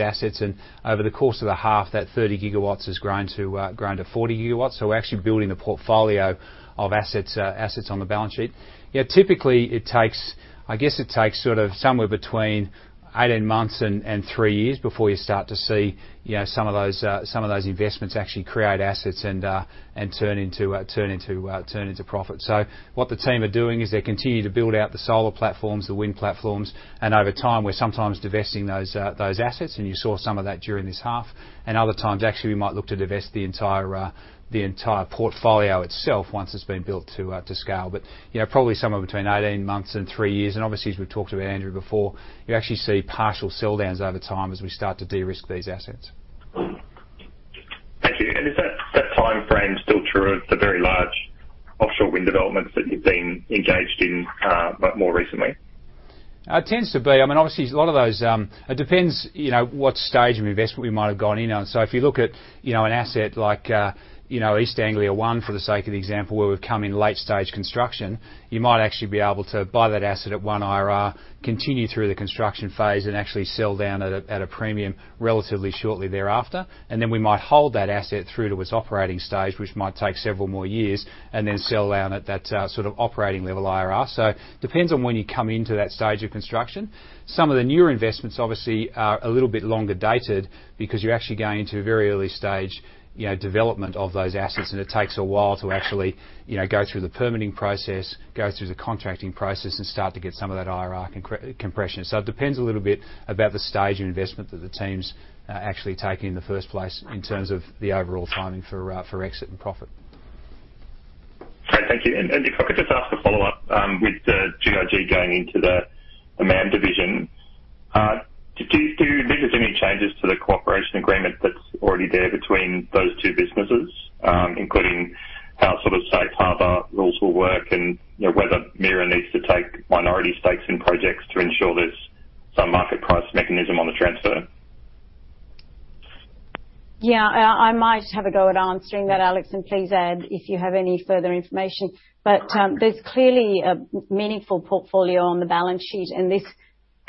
assets. Over the course of the half, that 30 GW has grown to 40 GW. We're actually building a portfolio of assets on the balance sheet. Yeah, typically it takes. I guess it takes sort of somewhere between 18 months and three years before you start to see, you know, some of those investments actually create assets and turn into profit. What the team are doing is they continue to build out the solar platforms, the wind platforms, and over time, we're sometimes divesting those assets, and you saw some of that during this half. Other times, actually, we might look to divest the entire portfolio itself once it's been built to scale. You know, probably somewhere between 18 months and three years. Obviously, as we've talked about, Andrew, before, you actually see partial sell downs over time as we start to de-risk these assets. Thank you. Is that timeframe still true of the very large offshore wind developments that you've been engaged in, but more recently? It tends to be. I mean, obviously a lot of those. It depends, you know, what stage of investment we might have gone in on. If you look at, you know, an asset like, you know, East Anglia ONE, for the sake of example, where we've come in late stage construction, you might actually be able to buy that asset at one IRR, continue through the construction phase and actually sell down at a premium relatively shortly thereafter. Then we might hold that asset through to its operating stage, which might take several more years, and then sell down at that, sort of operating level IRR. Depends on when you come into that stage of construction. Some of the newer investments obviously are a little bit longer dated because you're actually going into a very early stage, you know, development of those assets, and it takes a while to actually, you know, go through the permitting process, go through the contracting process, and start to get some of that IRR compression. It depends a little bit about the stage of investment that the team's actually taking in the first place in terms of the overall timing for exit and profit. Great. Thank you. If I could just ask a follow-up, with the GIG going into the MAM division, do you envisage any changes to the cooperation agreement that's already there between those two businesses, including how sort of safe harbor rules will work and, you know, whether MIRA needs to take minority stakes in projects to ensure there's some market price mechanism on the transfer? Yeah, I might have a go at answering that, Alex, and please add if you have any further information. There's clearly a meaningful portfolio on the balance sheet, and this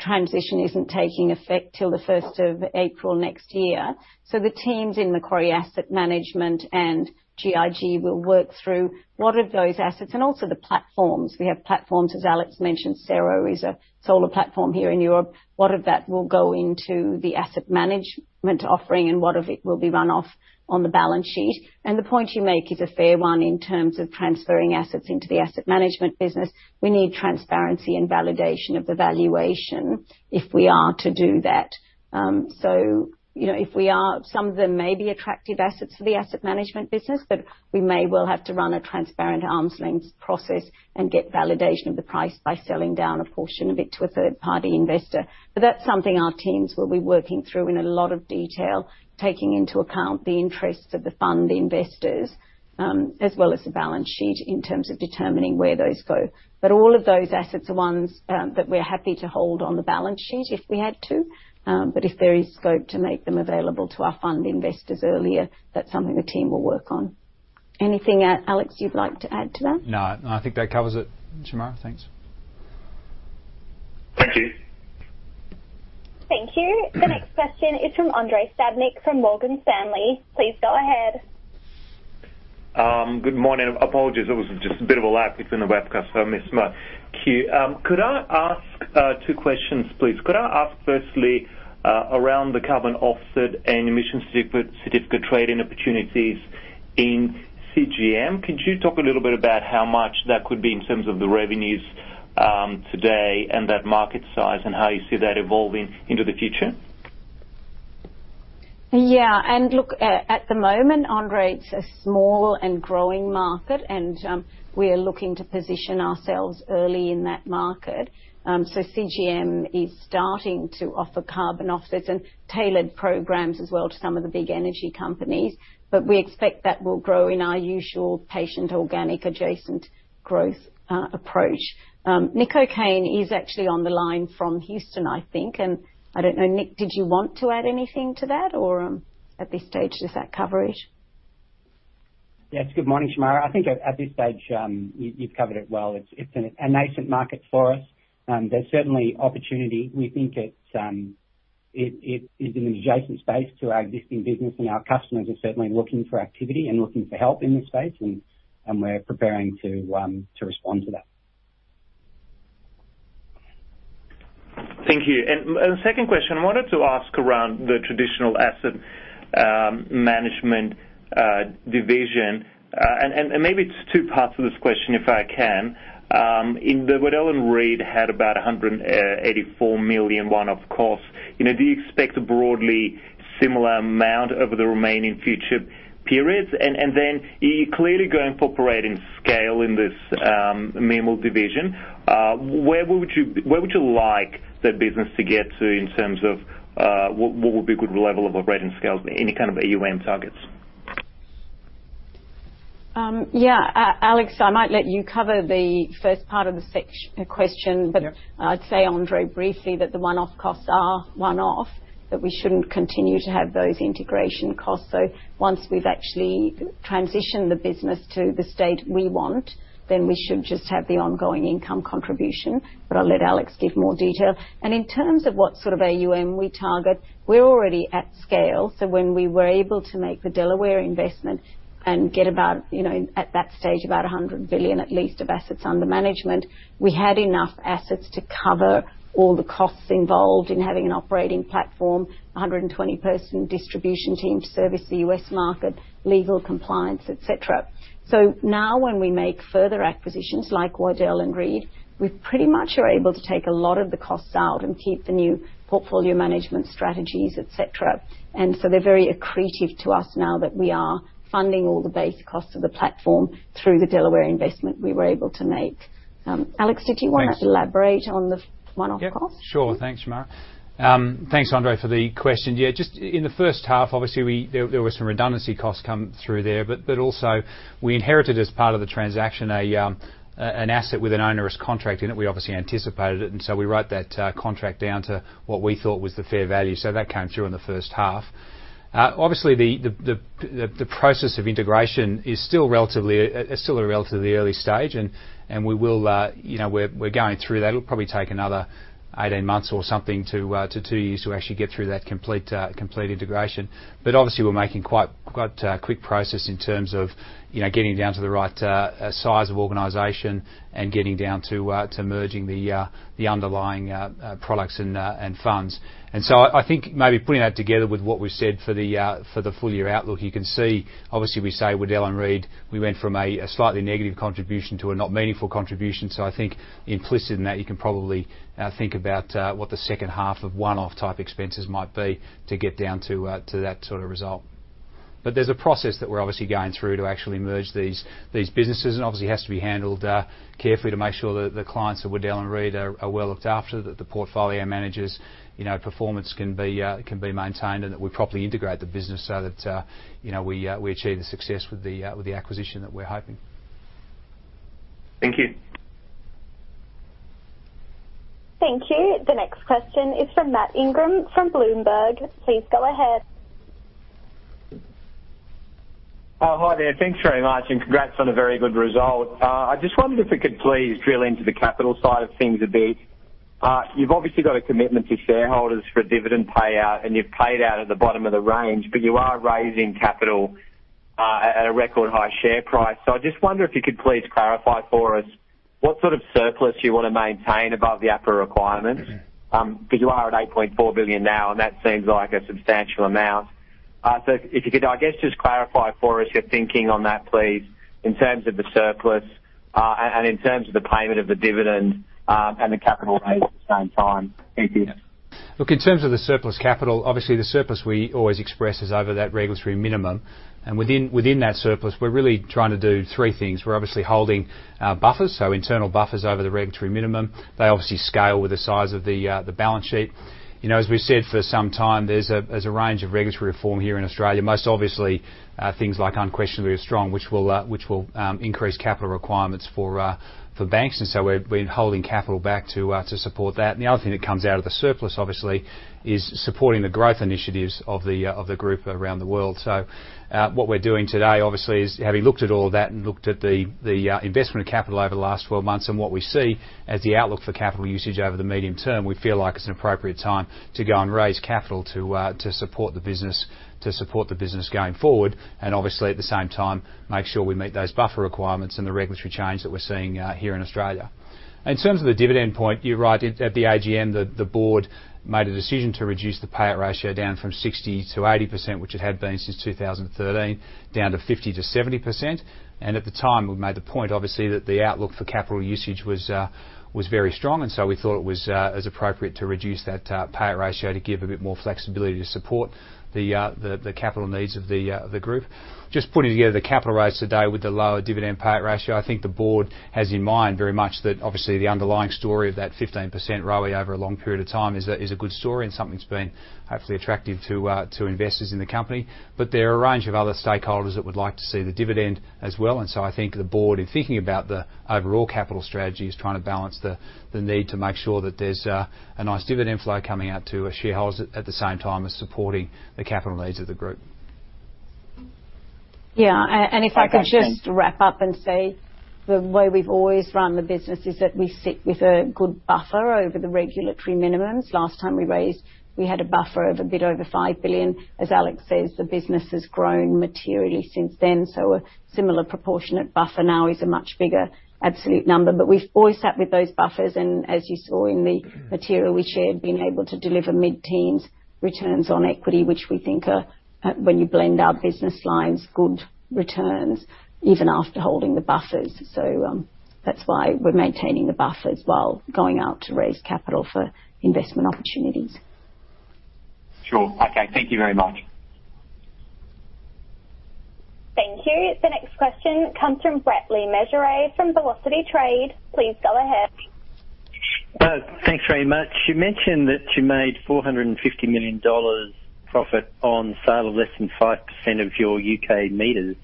transition isn't taking effect till the first of April next year. The teams in Macquarie Asset Management and GIG will work through what of those assets and also the platforms. We have platforms, as Alex mentioned, Cero is a solar platform here in Europe. What of that will go into the asset management offering and what of it will be run off on the balance sheet? The point you make is a fair one in terms of transferring assets into the asset management business. We need transparency and validation of the valuation if we are to do that. You know, if we are, some of them may be attractive assets for the asset management business, but we may well have to run a transparent arm's length process and get validation of the price by selling down a portion of it to a third-party investor. That's something our teams will be working through in a lot of detail, taking into account the interests of the fund investors, as well as the balance sheet in terms of determining where those go. All of those assets are ones that we're happy to hold on the balance sheet if we had to. If there is scope to make them available to our fund investors earlier, that's something the team will work on. Anything, Alex, you'd like to add to that? No, I think that covers it, Shemara. Thanks. Thank you. Thank you. The next question is from Andrei Stadnik from Morgan Stanley. Please go ahead. Good morning. Apologies, it was just a bit of a lag between the webcast, so I missed my cue. Could I ask two questions, please? Could I ask firstly around the carbon offset and emission certificate trading opportunities in CGM? Could you talk a little bit about how much that could be in terms of the revenues today and that market size, and how you see that evolving into the future? Yeah. Look, at the moment, Andrei, it's a small and growing market, and we are looking to position ourselves early in that market. CGM is starting to offer carbon offsets and tailored programs as well to some of the big energy companies. We expect that will grow in our usual patient organic adjacent growth approach. Nick O'Kane is actually on the line from Houston, I think, and I don't know, Nick, did you want to add anything to that, or at this stage, does that cover it? Yes. Good morning, Shemara. I think at this stage, you've covered it well. It's a nascent market for us. There's certainly opportunity. We think it's an adjacent space to our existing business, and our customers are certainly looking for activity and looking for help in this space, and we're preparing to respond to that. Thank you. The second question I wanted to ask around the traditional asset management division, and maybe it's two parts to this question, if I can. In the Waddell & Reed had about $184 million one-off costs. You know, do you expect a broadly similar amount over the remaining future periods? Then you're clearly going for operating scale in this MAM division. Where would you like that business to get to in terms of what would be a good level of operating scales? Any kind of AUM targets? Alex, I might let you cover the first part of the question. Sure. I'd say, Andrei, briefly that the one-off costs are one-off, that we shouldn't continue to have those integration costs. Once we've actually transitioned the business to the state we want, then we should just have the ongoing income contribution. I'll let Alex give more detail. In terms of what sort of AUM we target, we're already at scale. When we were able to make the Delaware Investments investment and get about, you know, at that stage, about $100 billion at least of assets under management, we had enough assets to cover all the costs involved in having an operating platform, a 120-person distribution team to service the U.S. market, legal compliance, etc. Now when we make further acquisitions like Waddell & Reed, we pretty much are able to take a lot of the costs out and keep the new portfolio management strategies, et cetera. They're very accretive to us now that we are funding all the base costs of the platform through the Delaware Investments we were able to make. Alex, did you wanna- Thanks. Elaborate on the one-off costs? Yeah, sure. Thanks, Shemara. Thanks, Andrei, for the question. Yeah, just in the first half, obviously, there were some redundancy costs come through there, but also we inherited as part of the transaction an asset with an onerous contract in it. We obviously anticipated it, and so we wrote that contract down to what we thought was the fair value. So that came through in the first half. Obviously the process of integration is still at a relatively early stage and we will, you know, we're going through that. It'll probably take another 18 months or something to two years to actually get through that complete integration. Obviously we're making quite quick progress in terms of, you know, getting down to the right size of organization and getting down to merging the underlying products and funds. I think maybe putting that together with what we've said for the full year outlook, you can see obviously we say Waddell & Reed, we went from a slightly negative contribution to a not meaningful contribution. I think implicit in that, you can probably think about what the second half of one-off type expenses might be to get down to that sort of result. There's a process that we're obviously going through to actually merge these businesses and obviously has to be handled carefully to make sure that the clients at Waddell & Reed are well looked after, that the portfolio managers, you know, performance can be maintained and that we properly integrate the business so that, you know, we achieve the success with the acquisition that we're hoping. Thank you. Thank you. The next question is from Matt Ingram from Bloomberg. Please go ahead. Oh, hi there. Thanks very much and congrats on a very good result. I just wondered if you could please drill into the capital side of things a bit. You've obviously got a commitment to shareholders for a dividend payout, and you've paid out at the bottom of the range, but you are raising capital at a record high share price. I just wonder if you could please clarify for us what sort of surplus you wanna maintain above the APRA requirements. Because you are at 8.4 billion now, and that seems like a substantial amount. So if you could, I guess, just clarify for us your thinking on that, please, in terms of the surplus and in terms of the payment of the dividend and the capital raise at the same time. Thank you. Look, in terms of the surplus capital, obviously the surplus we always express is over that regulatory minimum. Within that surplus, we're really trying to do three things. We're obviously holding buffers, so internal buffers over the regulatory minimum. They obviously scale with the size of the balance sheet. You know, as we've said for some time, there's a range of regulatory reform here in Australia. Most obviously, things like unquestionably strong, which will increase capital requirements for banks. We're holding capital back to support that. The other thing that comes out of the surplus, obviously, is supporting the growth initiatives of the group around the world. What we're doing today, obviously, is having looked at all that and looked at the investment capital over the last 12 months and what we see as the outlook for capital usage over the medium term, we feel like it's an appropriate time to go and raise capital to support the business going forward. Obviously, at the same time, make sure we meet those buffer requirements and the regulatory change that we're seeing here in Australia. In terms of the dividend point, you're right. At the AGM, the board made a decision to reduce the payout ratio down from 60%-80%, which it had been since 2013, down to 50%-70%. At the time, we made the point, obviously, that the outlook for capital usage was very strong. We thought it was appropriate to reduce that payout ratio to give a bit more flexibility to support the capital needs of the group. Just putting together the capital raise today with the lower dividend payout ratio, I think the board has in mind very much that obviously the underlying story of that 15% rally over a long period of time is a good story and something that's been hopefully attractive to investors in the company. There are a range of other stakeholders that would like to see the dividend as well. I think the board, in thinking about the overall capital strategy, is trying to balance the need to make sure that there's a nice dividend flow coming out to shareholders at the same time as supporting the capital needs of the group. Yeah. If I could just wrap up and say the way we've always run the business is that we sit with a good buffer over the regulatory minimums. Last time we raised, we had a buffer of a bit over 5 billion. As Alex says, the business has grown materially since then, so a similar proportionate buffer now is a much bigger absolute number. We've always sat with those buffers and as you saw in the material we shared, being able to deliver mid-teens returns on equity, which we think are, when you blend our business lines, good returns even after holding the buffers. That's why we're maintaining the buffers while going out to raise capital for investment opportunities. Sure. Okay, thank you very much. Thank you. The next question comes from Brett Le Mesurier from Velocity Trade. Please go ahead. Thanks very much. You mentioned that you made 450 million dollars profit on sale of less than 5% of your U.K. meters.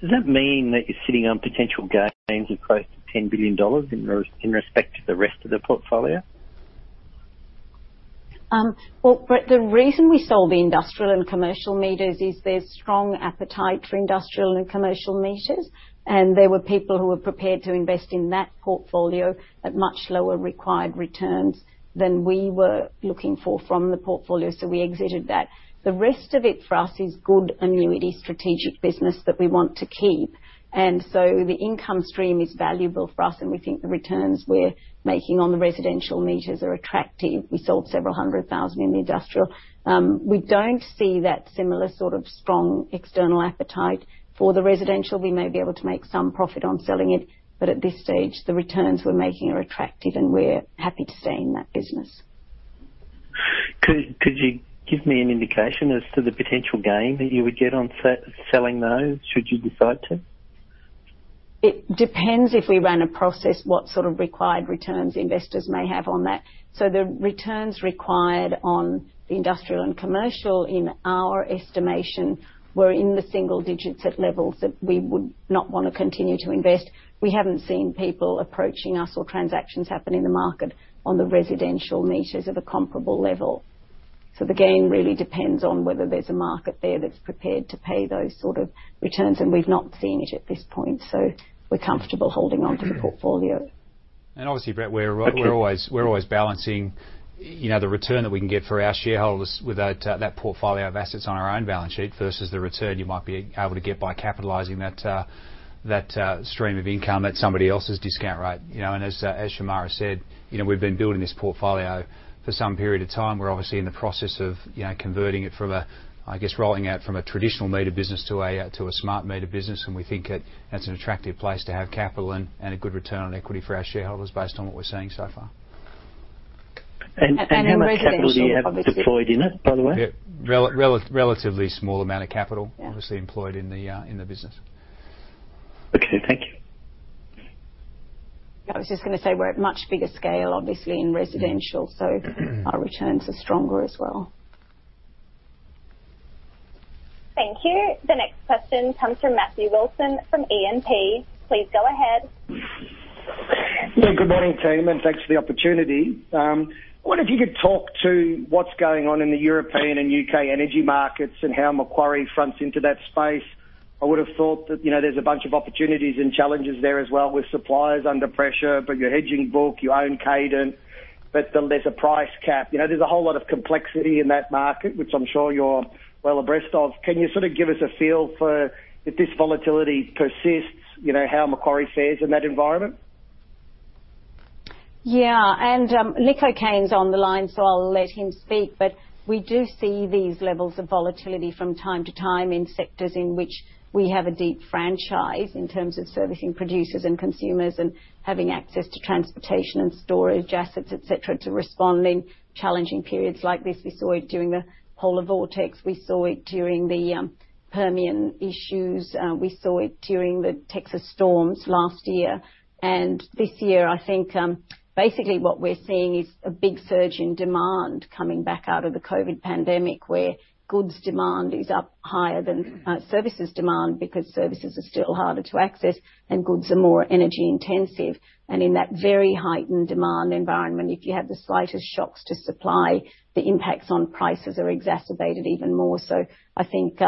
Does that mean that you're sitting on potential gains of close to 10 billion dollars in respect to the rest of the portfolio? Well, Brett, the reason we sold the industrial and commercial meters is there's strong appetite for industrial and commercial meters, and there were people who were prepared to invest in that portfolio at much lower required returns than we were looking for from the portfolio, so we exited that. The rest of it for us is good annuity strategic business that we want to keep. The income stream is valuable for us and we think the returns we're making on the residential meters are attractive. We sold several hundred thousand in the industrial. We don't see that similar sort of strong external appetite for the residential. We may be able to make some profit on selling it, but at this stage, the returns we're making are attractive and we're happy to stay in that business. Could you give me an indication as to the potential gain that you would get on selling those, should you decide to? It depends if we ran a process, what sort of required returns investors may have on that. The returns required on the industrial and commercial in our estimation were in the single digits at levels that we would not wanna continue to invest. We haven't seen people approaching us or transactions happen in the market on the residential meters at a comparable level. The gain really depends on whether there's a market there that's prepared to pay those sort of returns, and we've not seen it at this point, so we're comfortable holding onto the portfolio. Obviously, Brett, we're always balancing, you know, the return that we can get for our shareholders with that portfolio of assets on our own balance sheet versus the return you might be able to get by capitalizing that stream of income at somebody else's discount rate. You know, as Shemara said, you know, we've been building this portfolio for some period of time. We're obviously in the process of, you know, converting it from a, I guess, rolling out from a traditional meter business to a smart meter business. We think that's an attractive place to have capital and a good return on equity for our shareholders based on what we're seeing so far. in residential How much capital you have deployed in it, by the way? Relatively small amount of capital. Yeah. Obviously employed in the business. Okay, thank you. I was just gonna say we're at much bigger scale, obviously in residential, so our returns are stronger as well. Thank you. The next question comes from Matthew Wilson from E&P. Please go ahead. Yeah, good morning, team, and thanks for the opportunity. I wonder if you could talk to what's going on in the European and U.K. energy markets and how Macquarie fronts into that space. I would have thought that, you know, there's a bunch of opportunities and challenges there as well with suppliers under pressure, but your hedging book, your own cadence, but then there's a price cap. You know, there's a whole lot of complexity in that market, which I'm sure you're well abreast of. Can you sort of give us a feel for if this volatility persists, you know, how Macquarie fares in that environment? Yeah. Nick O'Kane's on the line, so I'll let him speak. We do see these levels of volatility from time to time in sectors in which we have a deep franchise in terms of servicing producers and consumers and having access to transportation and storage assets, et cetera, to respond in challenging periods like this. We saw it during the polar vortex, we saw it during the Permian issues, we saw it during the Texas storms last year. This year, I think, basically what we're seeing is a big surge in demand coming back out of the COVID pandemic, where goods demand is up higher than services demand because services are still harder to access and goods are more energy intensive. In that very heightened demand environment, if you have the slightest shocks to supply, the impacts on prices are exacerbated even more. I think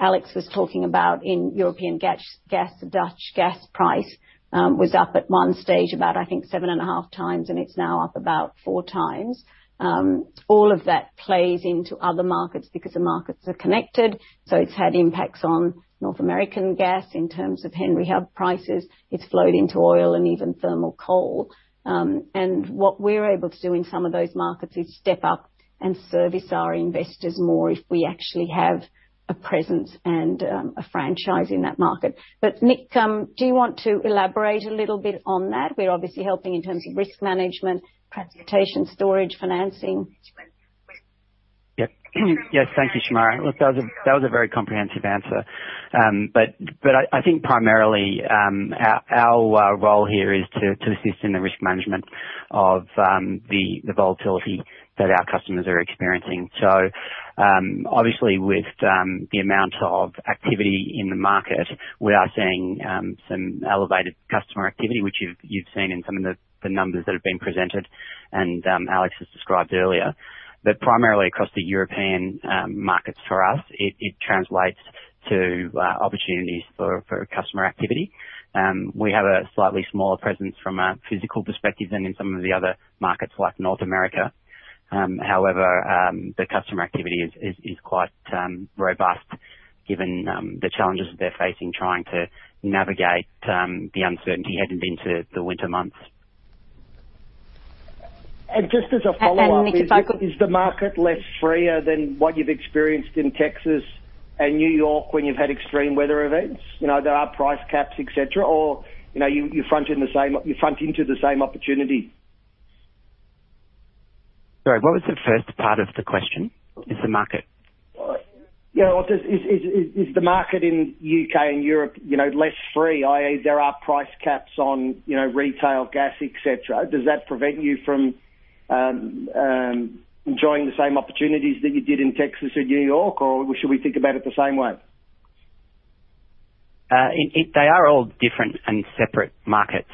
Alex was talking about in European gas, Dutch gas price, was up at one stage about 7.5x, and it's now up about 4x. All of that plays into other markets because the markets are connected. It's had impacts on North American gas in terms of Henry Hub prices. It's flowed into oil and even thermal coal. What we're able to do in some of those markets is step up and service our investors more if we actually have a presence and a franchise in that market. Nick, do you want to elaborate a little bit on that? We're obviously helping in terms of risk management, transportation, storage, financing. Yes, thank you, Shemara. Look, that was a very comprehensive answer. I think primarily our role here is to assist in the risk management of the volatility that our customers are experiencing. Obviously with the amount of activity in the market, we are seeing some elevated customer activity, which you've seen in some of the numbers that have been presented and Alex has described earlier. Primarily across the European markets for us, it translates to opportunities for customer activity. We have a slightly smaller presence from a physical perspective than in some of the other markets like North America. However, the customer activity is quite robust given the challenges they're facing trying to navigate the uncertainty heading into the winter months. Just as a follow-up. Nick, if I could Is the market less freer than what you've experienced in Texas and New York when you've had extreme weather events? You know, there are price caps, et cetera, or, you know, you front into the same opportunity. Sorry, what was the first part of the question? Is the market- Yeah, well, just is the market in U.K. and Europe, you know, less free, i.e. there are price caps on, you know, retail gas, et cetera. Does that prevent you from enjoying the same opportunities that you did in Texas or New York, or should we think about it the same way? They are all different and separate markets,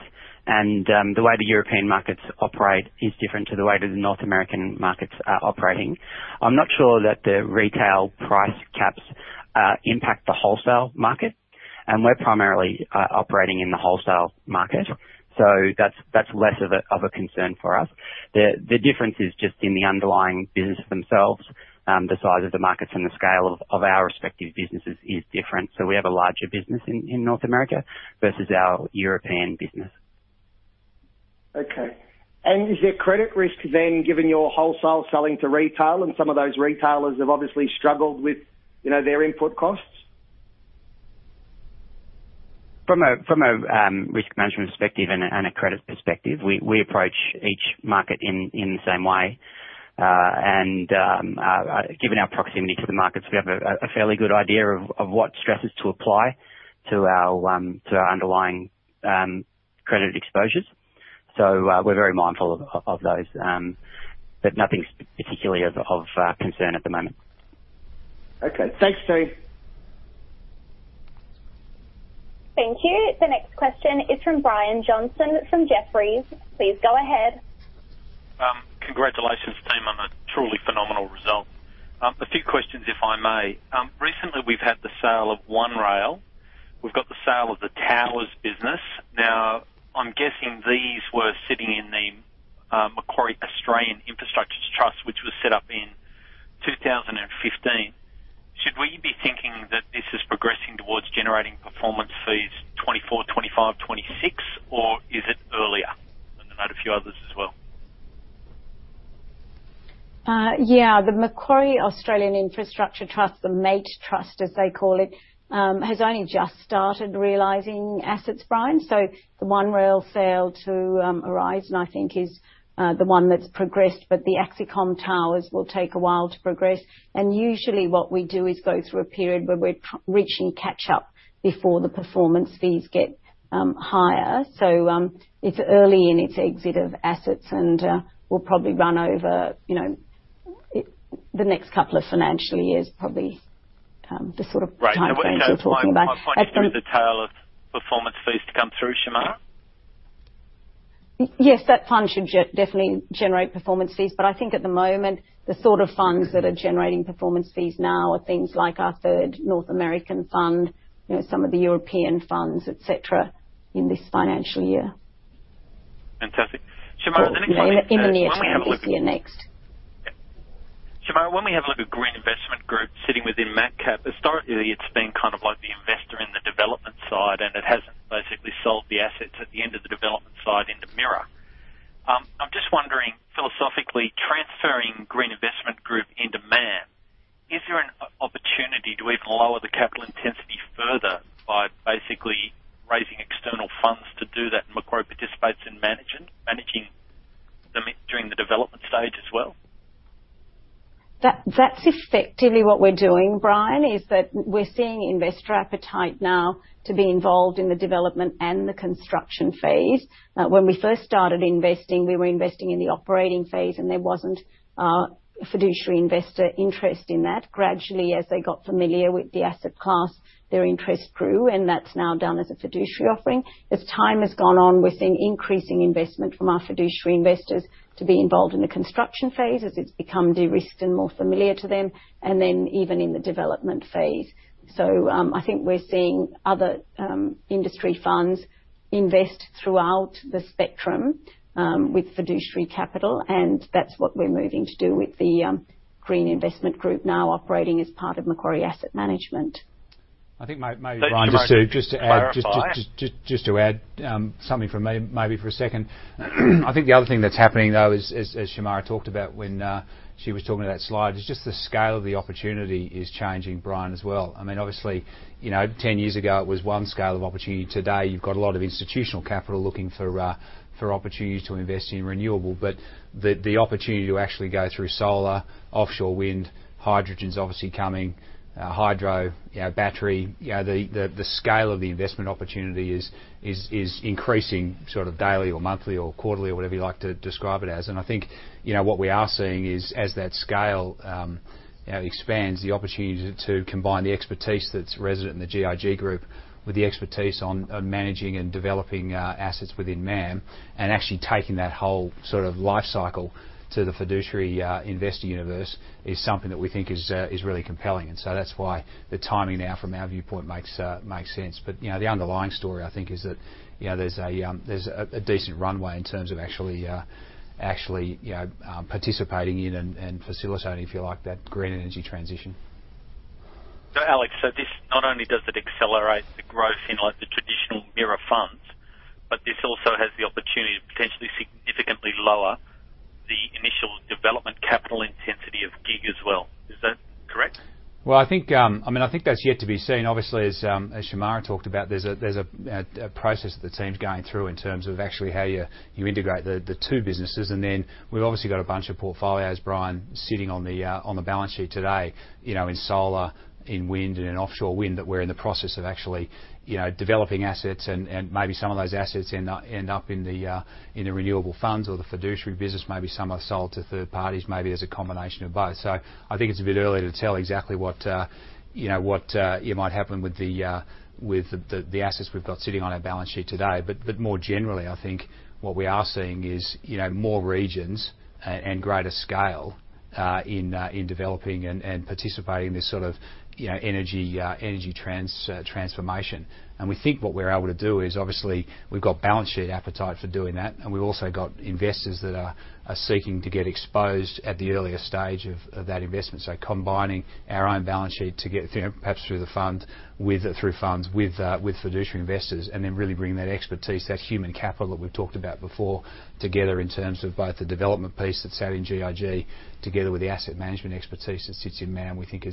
and the way the European markets operate is different to the way that the North American markets are operating. I'm not sure that the retail price caps impact the wholesale market, and we're primarily operating in the wholesale market, so that's less of a concern for us. The difference is just in the underlying business themselves. The size of the markets and the scale of our respective businesses is different, so we have a larger business in North America versus our European business. Okay. Is there credit risk then, given your wholesale selling to retail and some of those retailers have obviously struggled with, you know, their input costs? From a risk management perspective and a credit perspective, we approach each market in the same way. Given our proximity to the markets, we have a fairly good idea of what stresses to apply to our underlying credit exposures. We're very mindful of those, but nothing particularly of concern at the moment. Okay. Thanks, Kane. Thank you. The next question is from Brian Johnson, from Jefferies. Please go ahead. Congratulations team on a truly phenomenal result. A few questions if I may. Recently we've had the sale of One Rail Australia. We've got the sale of Axicom. Now, I'm guessing these were sitting in the Macquarie Australian Infrastructure Trust, which was set up in 2015. Should we be thinking that this is progressing towards generating performance fees FY 2024, FY 2025, FY 2026 or is it earlier? I had a few others as well. Yeah. The Macquarie Australian Infrastructure Trust, the MAIT trust as they call it, has only just started realizing assets, Brian. The One Rail sale to Aurizon, and I think that's the one that's progressed, but the Axicom Towers will take a while to progress. Usually what we do is go through a period where we're reaching catch up before the performance fees get higher. It's early in its exit of assets and will probably run over the next couple of financial years, probably the sort of timeframe we're talking about. Right. When is our high point of the tail of performance fees to come through, Shemara? Yes, that plan should definitely generate performance fees. I think at the moment, the sort of funds that are generating performance fees now are things like our third North American Fund, you know, some of the European funds, et cetera, in this financial year. Fantastic. Shemara, the next one is when we have a look. You know, in the near term. This year, next. Shemara, when we have a look at Green Investment Group sitting within MacCap, historically it's been kind of like the investor in the development side, and it hasn't basically sold the assets at the end of the development side into MIRA. I'm just wondering, philosophically, transferring Green Investment Group into MAM, is there an opportunity to even lower the capital intensity further by basically raising external funds to do that and Macquarie participates in managing them during the development stage as well? That's effectively what we're doing, Brian, is that we're seeing investor appetite now to be involved in the development and the construction phase. When we first started investing, we were investing in the operating phase, and there wasn't fiduciary investor interest in that. Gradually, as they got familiar with the asset class, their interest grew, and that's now done as a fiduciary offering. As time has gone on, we're seeing increasing investment from our fiduciary investors to be involved in the construction phase as it's become de-risked and more familiar to them, and then even in the development phase. I think we're seeing other industry funds invest throughout the spectrum with fiduciary capital, and that's what we're moving to do with the Green Investment Group now operating as part of Macquarie Asset Management. I think maybe, Brian, just to add. Just to clarify. Just to add something from me maybe for a second. I think the other thing that's happening, though, is as Shemara talked about when she was talking about that slide, is just the scale of the opportunity is changing, Brian, as well. I mean, obviously, you know, 10 years ago it was one scale of opportunity. Today, you've got a lot of institutional capital looking for opportunities to invest in renewable. But the opportunity to actually go through solar, offshore wind, hydrogen's obviously coming, hydro, you know, battery. You know, the scale of the investment opportunity is increasing sort of daily or monthly or quarterly or whatever you like to describe it as. I think, you know, what we are seeing is as that scale expands, the opportunity to combine the expertise that's resident in the GIG group with the expertise on managing and developing assets within MAM, and actually taking that whole sort of life cycle to the fiduciary investor universe is something that we think is really compelling. That's why the timing now from our viewpoint makes sense. You know, the underlying story I think is that, you know, there's a decent runway in terms of actually, you know, participating in and facilitating, if you like, that green energy transition. Alex, this not only does it accelerate the growth in like the traditional MIRA funds, but this also Well, I think, I mean, I think that's yet to be seen. Obviously, as Shemara talked about, there's a process that the team's going through in terms of actually how you integrate the two businesses. And then we've obviously got a bunch of portfolios, Brian, sitting on the balance sheet today, you know, in solar, in wind, and in offshore wind, that we're in the process of actually, you know, developing assets. And maybe some of those assets end up in the renewable funds or the fiduciary business, maybe some are sold to third parties, maybe there's a combination of both. I think it's a bit early to tell exactly what you know might happen with the assets we've got sitting on our balance sheet today. More generally, I think what we are seeing is you know more regions and greater scale in developing and participating in this sort of you know energy transformation. We think what we're able to do is obviously we've got balance sheet appetite for doing that, and we've also got investors that are seeking to get exposed at the earliest stage of that investment. Combining our own balance sheet to get, you know, perhaps through funds with fiduciary investors and then really bringing that expertise, that human capital that we've talked about before, together in terms of both the development piece that's sat in GIG together with the asset management expertise that sits in MAM, we think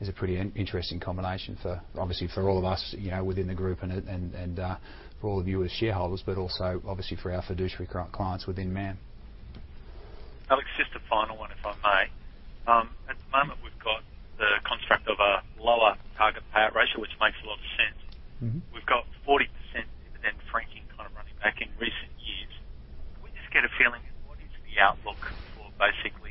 is a pretty interesting combination obviously for all of us, you know, within the group and for all of you as shareholders, but also obviously for our fiduciary clients within MAM. Alex, just a final one, if I may. At the moment, we've got the construct of a lower target payout ratio, which makes a lot of sense. Mm-hmm. We've got 40% dividend franking kind of running back in recent years. Can we just get a feeling, what is the outlook for basically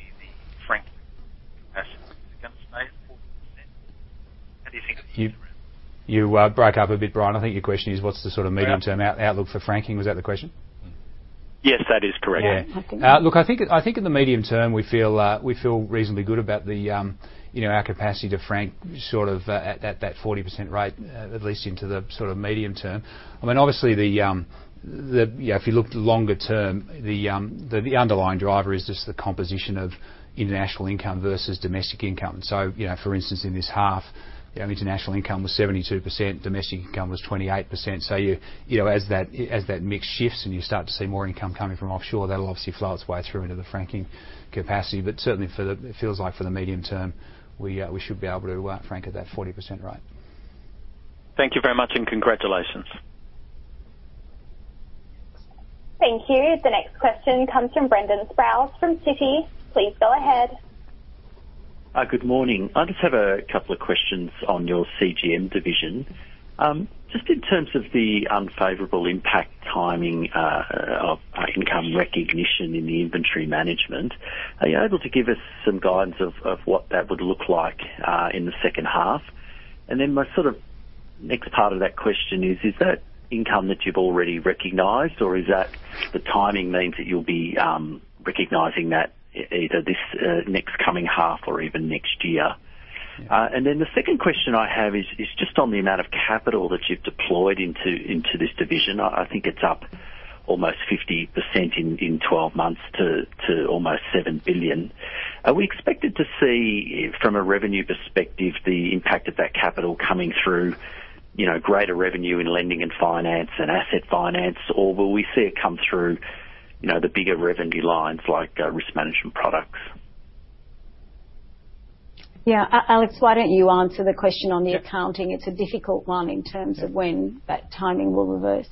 the franking capacity? Is it gonna stay at 40%? How do you think of the interest rates? You broke up a bit, Brian. I think your question is: what's the sort of medium-term outlook for franking? Was that the question? Yes, that is correct. Yeah. Yeah, I think so. Look, I think in the medium term, we feel reasonably good about the, you know, our capacity to frank sort of at that 40% rate, at least into the sort of medium term. I mean, obviously the, you know, if you look longer term, the underlying driver is just the composition of international income versus domestic income. So, you know, for instance, in this half, the international income was 72%, domestic income was 28%. So you know, as that mix shifts and you start to see more income coming from offshore, that'll obviously flow its way through into the franking capacity. But certainly for the medium term, it feels like for the medium term, we should be able to frank at that 40% rate. Thank you very much, and congratulations. Thank you. The next question comes from Brendan Sproules from Citi. Please go ahead. Good morning. I just have a couple of questions on your CGM division. Just in terms of the unfavorable impact timing of income recognition in the inventory management, are you able to give us some guidance of what that would look like in the second half? Then my sort of next part of that question is that income that you've already recognized, or is that the timing means that you'll be recognizing that either this next coming half or even next year? The second question I have is just on the amount of capital that you've deployed into this division. I think it's up almost 50% in 12 months to almost 7 billion. Are we expected to see, from a revenue perspective, the impact of that capital coming through, you know, greater revenue in lending and finance and asset finance, or will we see it come through, you know, the bigger revenue lines like, risk management products? Yeah. Alex, why don't you answer the question on the accounting? Yeah. It's a difficult one in terms of when that timing will reverse.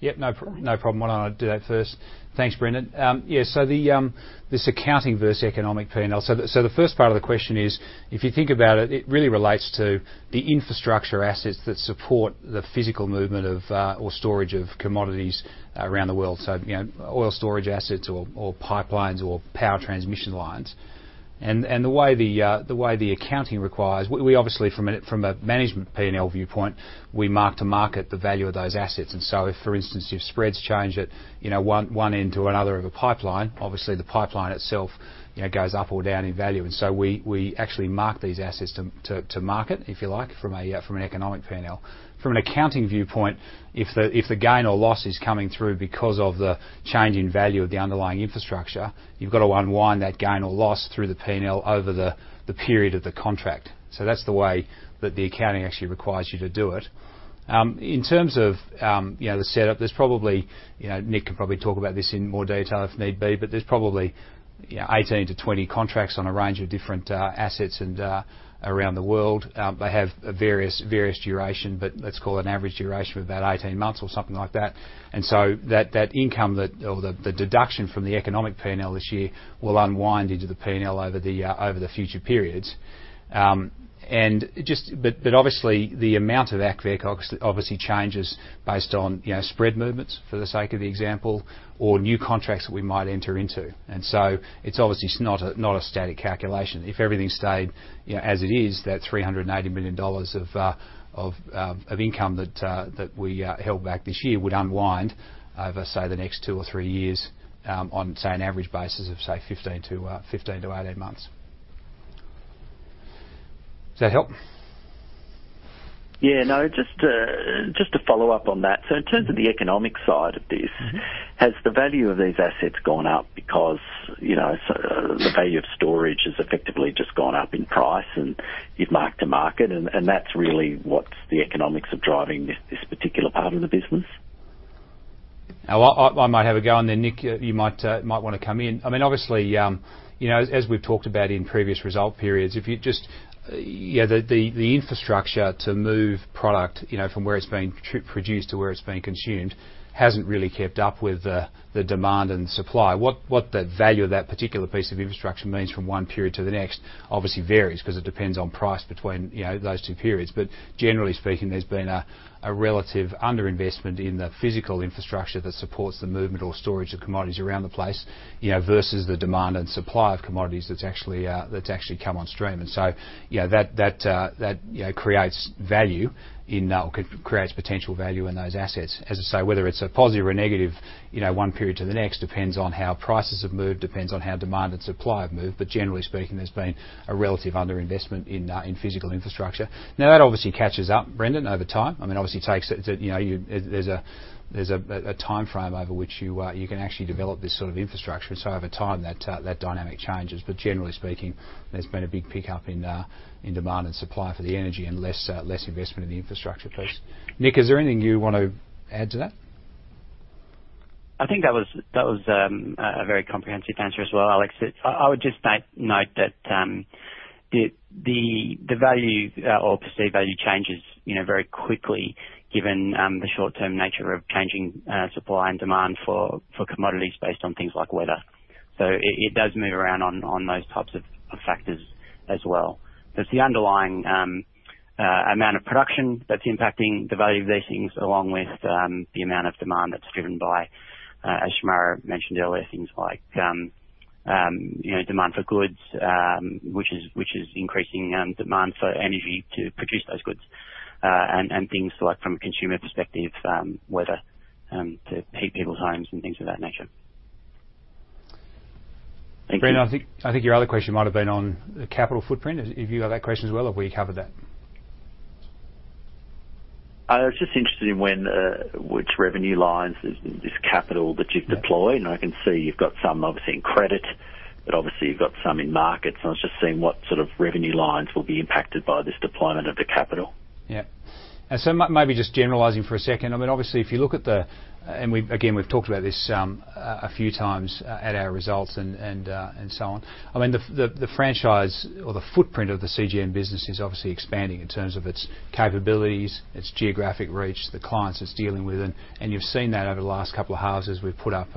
Yeah. No problem. Why don't I do that first? Thanks, Brendan. Yeah, this accounting versus economic P&L. The first part of the question is, if you think about it really relates to the infrastructure assets that support the physical movement of, or storage of commodities around the world. You know, oil storage assets or pipelines or power transmission lines. The way the accounting requires, we obviously from a management P&L viewpoint mark to market the value of those assets. If, for instance, spreads change at, you know, one end to another of a pipeline, obviously the pipeline itself, you know, goes up or down in value. We actually mark these assets to market, if you like, from an economic P&L. From an accounting viewpoint, if the gain or loss is coming through because of the change in value of the underlying infrastructure, you've got to unwind that gain or loss through the P&L over the period of the contract. That's the way that the accounting actually requires you to do it. In terms of you know the setup, there's probably you know Nick could probably talk about this in more detail if need be, but there's probably you know 18-20 contracts on a range of different assets and around the world. They have various duration, but let's call it an average duration of about 18 months or something like that. That income that, or the deduction from the economic P&L this year will unwind into the P&L over the future periods. And just, but obviously the amount of that clearly obviously changes based on, you know, spread movements for the sake of the example or new contracts that we might enter into. It's obviously not a static calculation. If everything stayed, you know, as it is, that 380 million dollars of income that we held back this year would unwind over, say, the next two or three years, on, say, an average basis of, say, 15-18 months. Does that help? Yeah, no. Just to follow up on that. In terms of the economic side of this- Mm-hmm. Has the value of these assets gone up because, you know, the value of storage has effectively just gone up in price and you've marked to market and that's really what's the economics of driving this particular part of the business? I might have a go and then Nick, you might wanna come in. I mean, obviously, you know, as we've talked about in previous result periods, the infrastructure to move product, you know, from where it's being produced to where it's being consumed hasn't really kept up with the demand and supply. What the value of that particular piece of infrastructure means from one period to the next obviously varies 'cause it depends on price between, you know, those two periods. Generally speaking, there's been a relative underinvestment in the physical infrastructure that supports the movement or storage of commodities around the place, you know, versus the demand and supply of commodities that's actually come on stream. You know, that creates potential value in those assets. As I say, whether it's a positive or a negative, you know, one period to the next depends on how prices have moved, depends on how demand and supply have moved. Generally speaking, there's been a relative underinvestment in physical infrastructure. Now, that obviously catches up, Brendan, over time. I mean, obviously takes it, you know, there's a timeframe over which you can actually develop this sort of infrastructure. Over time that dynamic changes. Generally speaking, there's been a big pickup in demand and supply for the energy and less investment in the infrastructure piece. Nick, is there anything you want to add to that? I think that was a very comprehensive answer as well, Alex. I would just make note that the value or perceived value changes, you know, very quickly given the short-term nature of changing supply and demand for commodities based on things like weather. It does move around on those types of factors as well. The underlying amount of production that's impacting the value of these things, along with the amount of demand that's driven by, as Shemara mentioned earlier, things like, you know, demand for goods, which is increasing demand for energy to produce those goods. Things like from a consumer perspective, weather, to heat people's homes and things of that nature. Brendan, I think your other question might have been on the capital footprint. If you have that question as well or have we covered that? I was just interested in when, which revenue lines is this capital that you've deployed. I can see you've got some obviously in credit, but obviously you've got some in markets, and I was just seeing what sort of revenue lines will be impacted by this deployment of the capital. Yeah. Maybe just generalizing for a second. I mean, obviously if you look at the. We've again talked about this a few times at our results and so on. I mean, the franchise or the footprint of the CGM business is obviously expanding in terms of its capabilities, its geographic reach, the clients it's dealing with. You've seen that over the last couple of halves as we've put up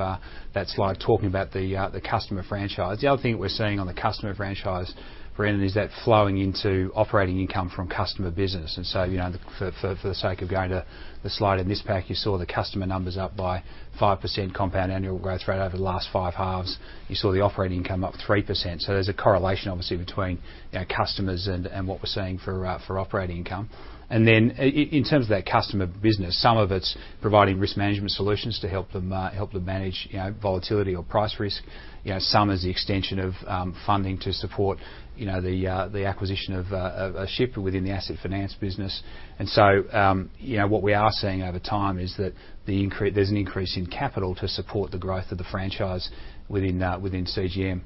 that slide talking about the customer franchise. The other thing that we're seeing on the customer franchise, Brendan, is that flowing into operating income from customer business. You know, for the sake of going to the slide in this pack, you saw the customer numbers up by 5% compound annual growth rate over the last five halves. You saw the operating income up 3%. There's a correlation obviously between, you know, customers and what we're seeing for operating income. In terms of that customer business, some of it's providing risk management solutions to help them manage, you know, volatility or price risk. You know, some is the extension of funding to support, you know, the acquisition of a ship within the asset finance business. You know, what we are seeing over time is that there's an increase in capital to support the growth of the franchise within CGM.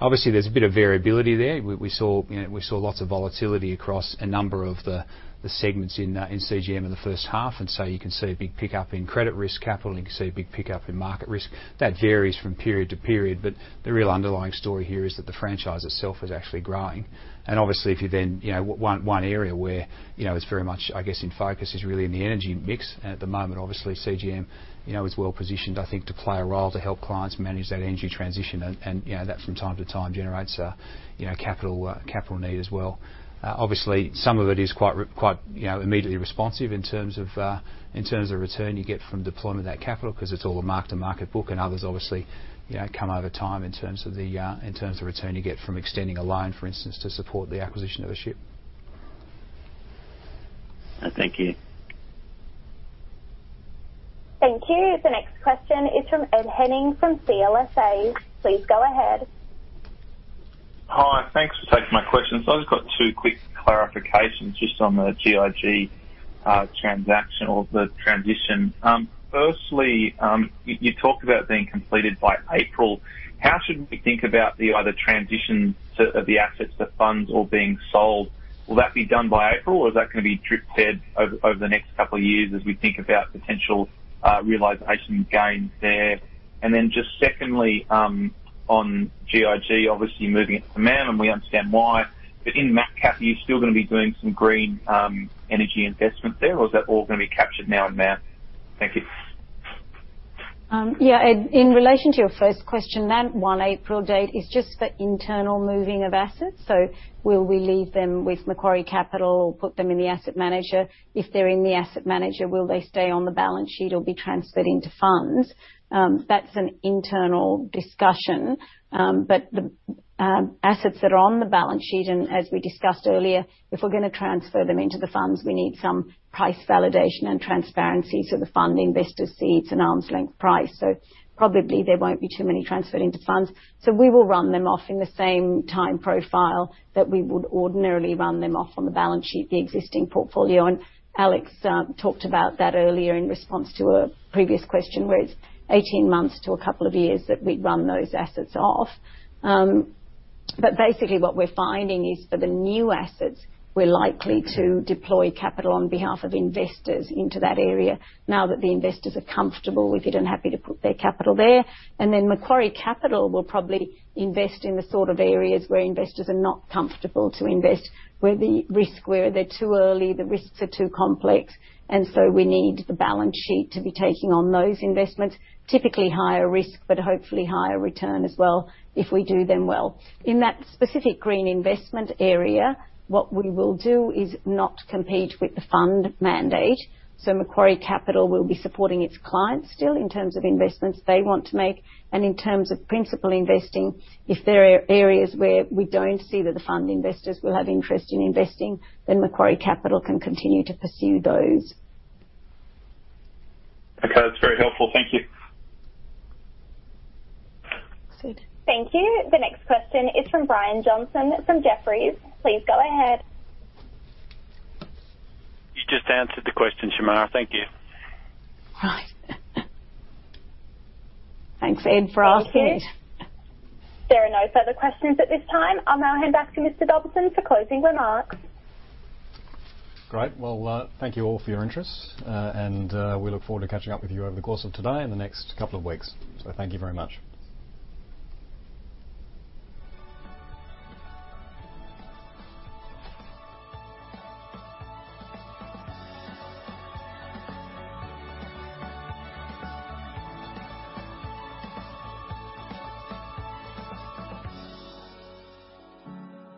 Obviously, there's a bit of variability there. We saw, you know, lots of volatility across a number of the segments in CGM in the first half. You can see a big pickup in credit risk capital, and you can see a big pickup in market risk. That varies from period to period. The real underlying story here is that the franchise itself is actually growing. Obviously, if you then, you know, one area where, you know, it's very much, I guess, in focus is really in the energy mix. At the moment, obviously, CGM, you know, is well positioned, I think, to play a role to help clients manage that energy transition. You know, that from time to time generates a, you know, capital need as well. Obviously, some of it is quite, you know, immediately responsive in terms of return you get from deployment of that capital 'cause it's all a mark-to-market book and others obviously, you know, come over time in terms of the return you get from extending a loan, for instance, to support the acquisition of a ship. Thank you. Thank you. The next question is from Ed Henning from CLSA. Please go ahead. Hi. Thanks for taking my questions. I've just got two quick clarifications just on the GIG transaction or the transition. Firstly, you talked about being completed by April. How should we think about the other transitions of the assets, the funds all being sold? Will that be done by April or is that gonna be drip-fed over the next couple of years as we think about potential realization gains there? And then just secondly, on GIG, obviously moving it to MAM and we understand why. But in MacCap, are you still gonna be doing some green energy investment there, or is that all gonna be captured now in MAM? Thank you. Yeah, Ed, in relation to your first question, that one April date is just for internal moving of assets. Will we leave them with Macquarie Capital or put them in the asset manager? If they're in the asset manager, will they stay on the balance sheet or be transferred into funds? That's an internal discussion. But the assets that are on the balance sheet and as we discussed earlier, if we're gonna transfer them into the funds, we need some price validation and transparency so the fund investors see it's an arm's length price. Probably there won't be too many transferred into funds. We will run them off in the same time profile that we would ordinarily run them off on the balance sheet, the existing portfolio. Alex talked about that earlier in response to a previous question, where it's 18 months to a couple of years that we'd run those assets off. Basically what we're finding is for the new assets, we're likely to deploy capital on behalf of investors into that area now that the investors are comfortable with it and happy to put their capital there. Macquarie Capital will probably invest in the sort of areas where investors are not comfortable to invest, where they're too early, the risks are too complex, and so we need the balance sheet to be taking on those investments. Typically higher risk, but hopefully higher return as well if we do them well. In that specific green investment area, what we will do is not compete with the fund mandate. Macquarie Capital will be supporting its clients still in terms of investments they want to make. In terms of principal investing, if there are areas where we don't see that the fund investors will have interest in investing, then Macquarie Capital can continue to pursue those. Okay. That's very helpful. Thank you. Good. Thank you. The next question is from Brian Johnson from Jefferies. Please go ahead. You just answered the question, Shemara. Thank you. Right. Thanks, Ed, for asking. There are no further questions at this time. I'll now hand back to Mr. Dobson for closing remarks. Great. Well, thank you all for your interest. We look forward to catching up with you over the course of today and the next couple of weeks. Thank you very much.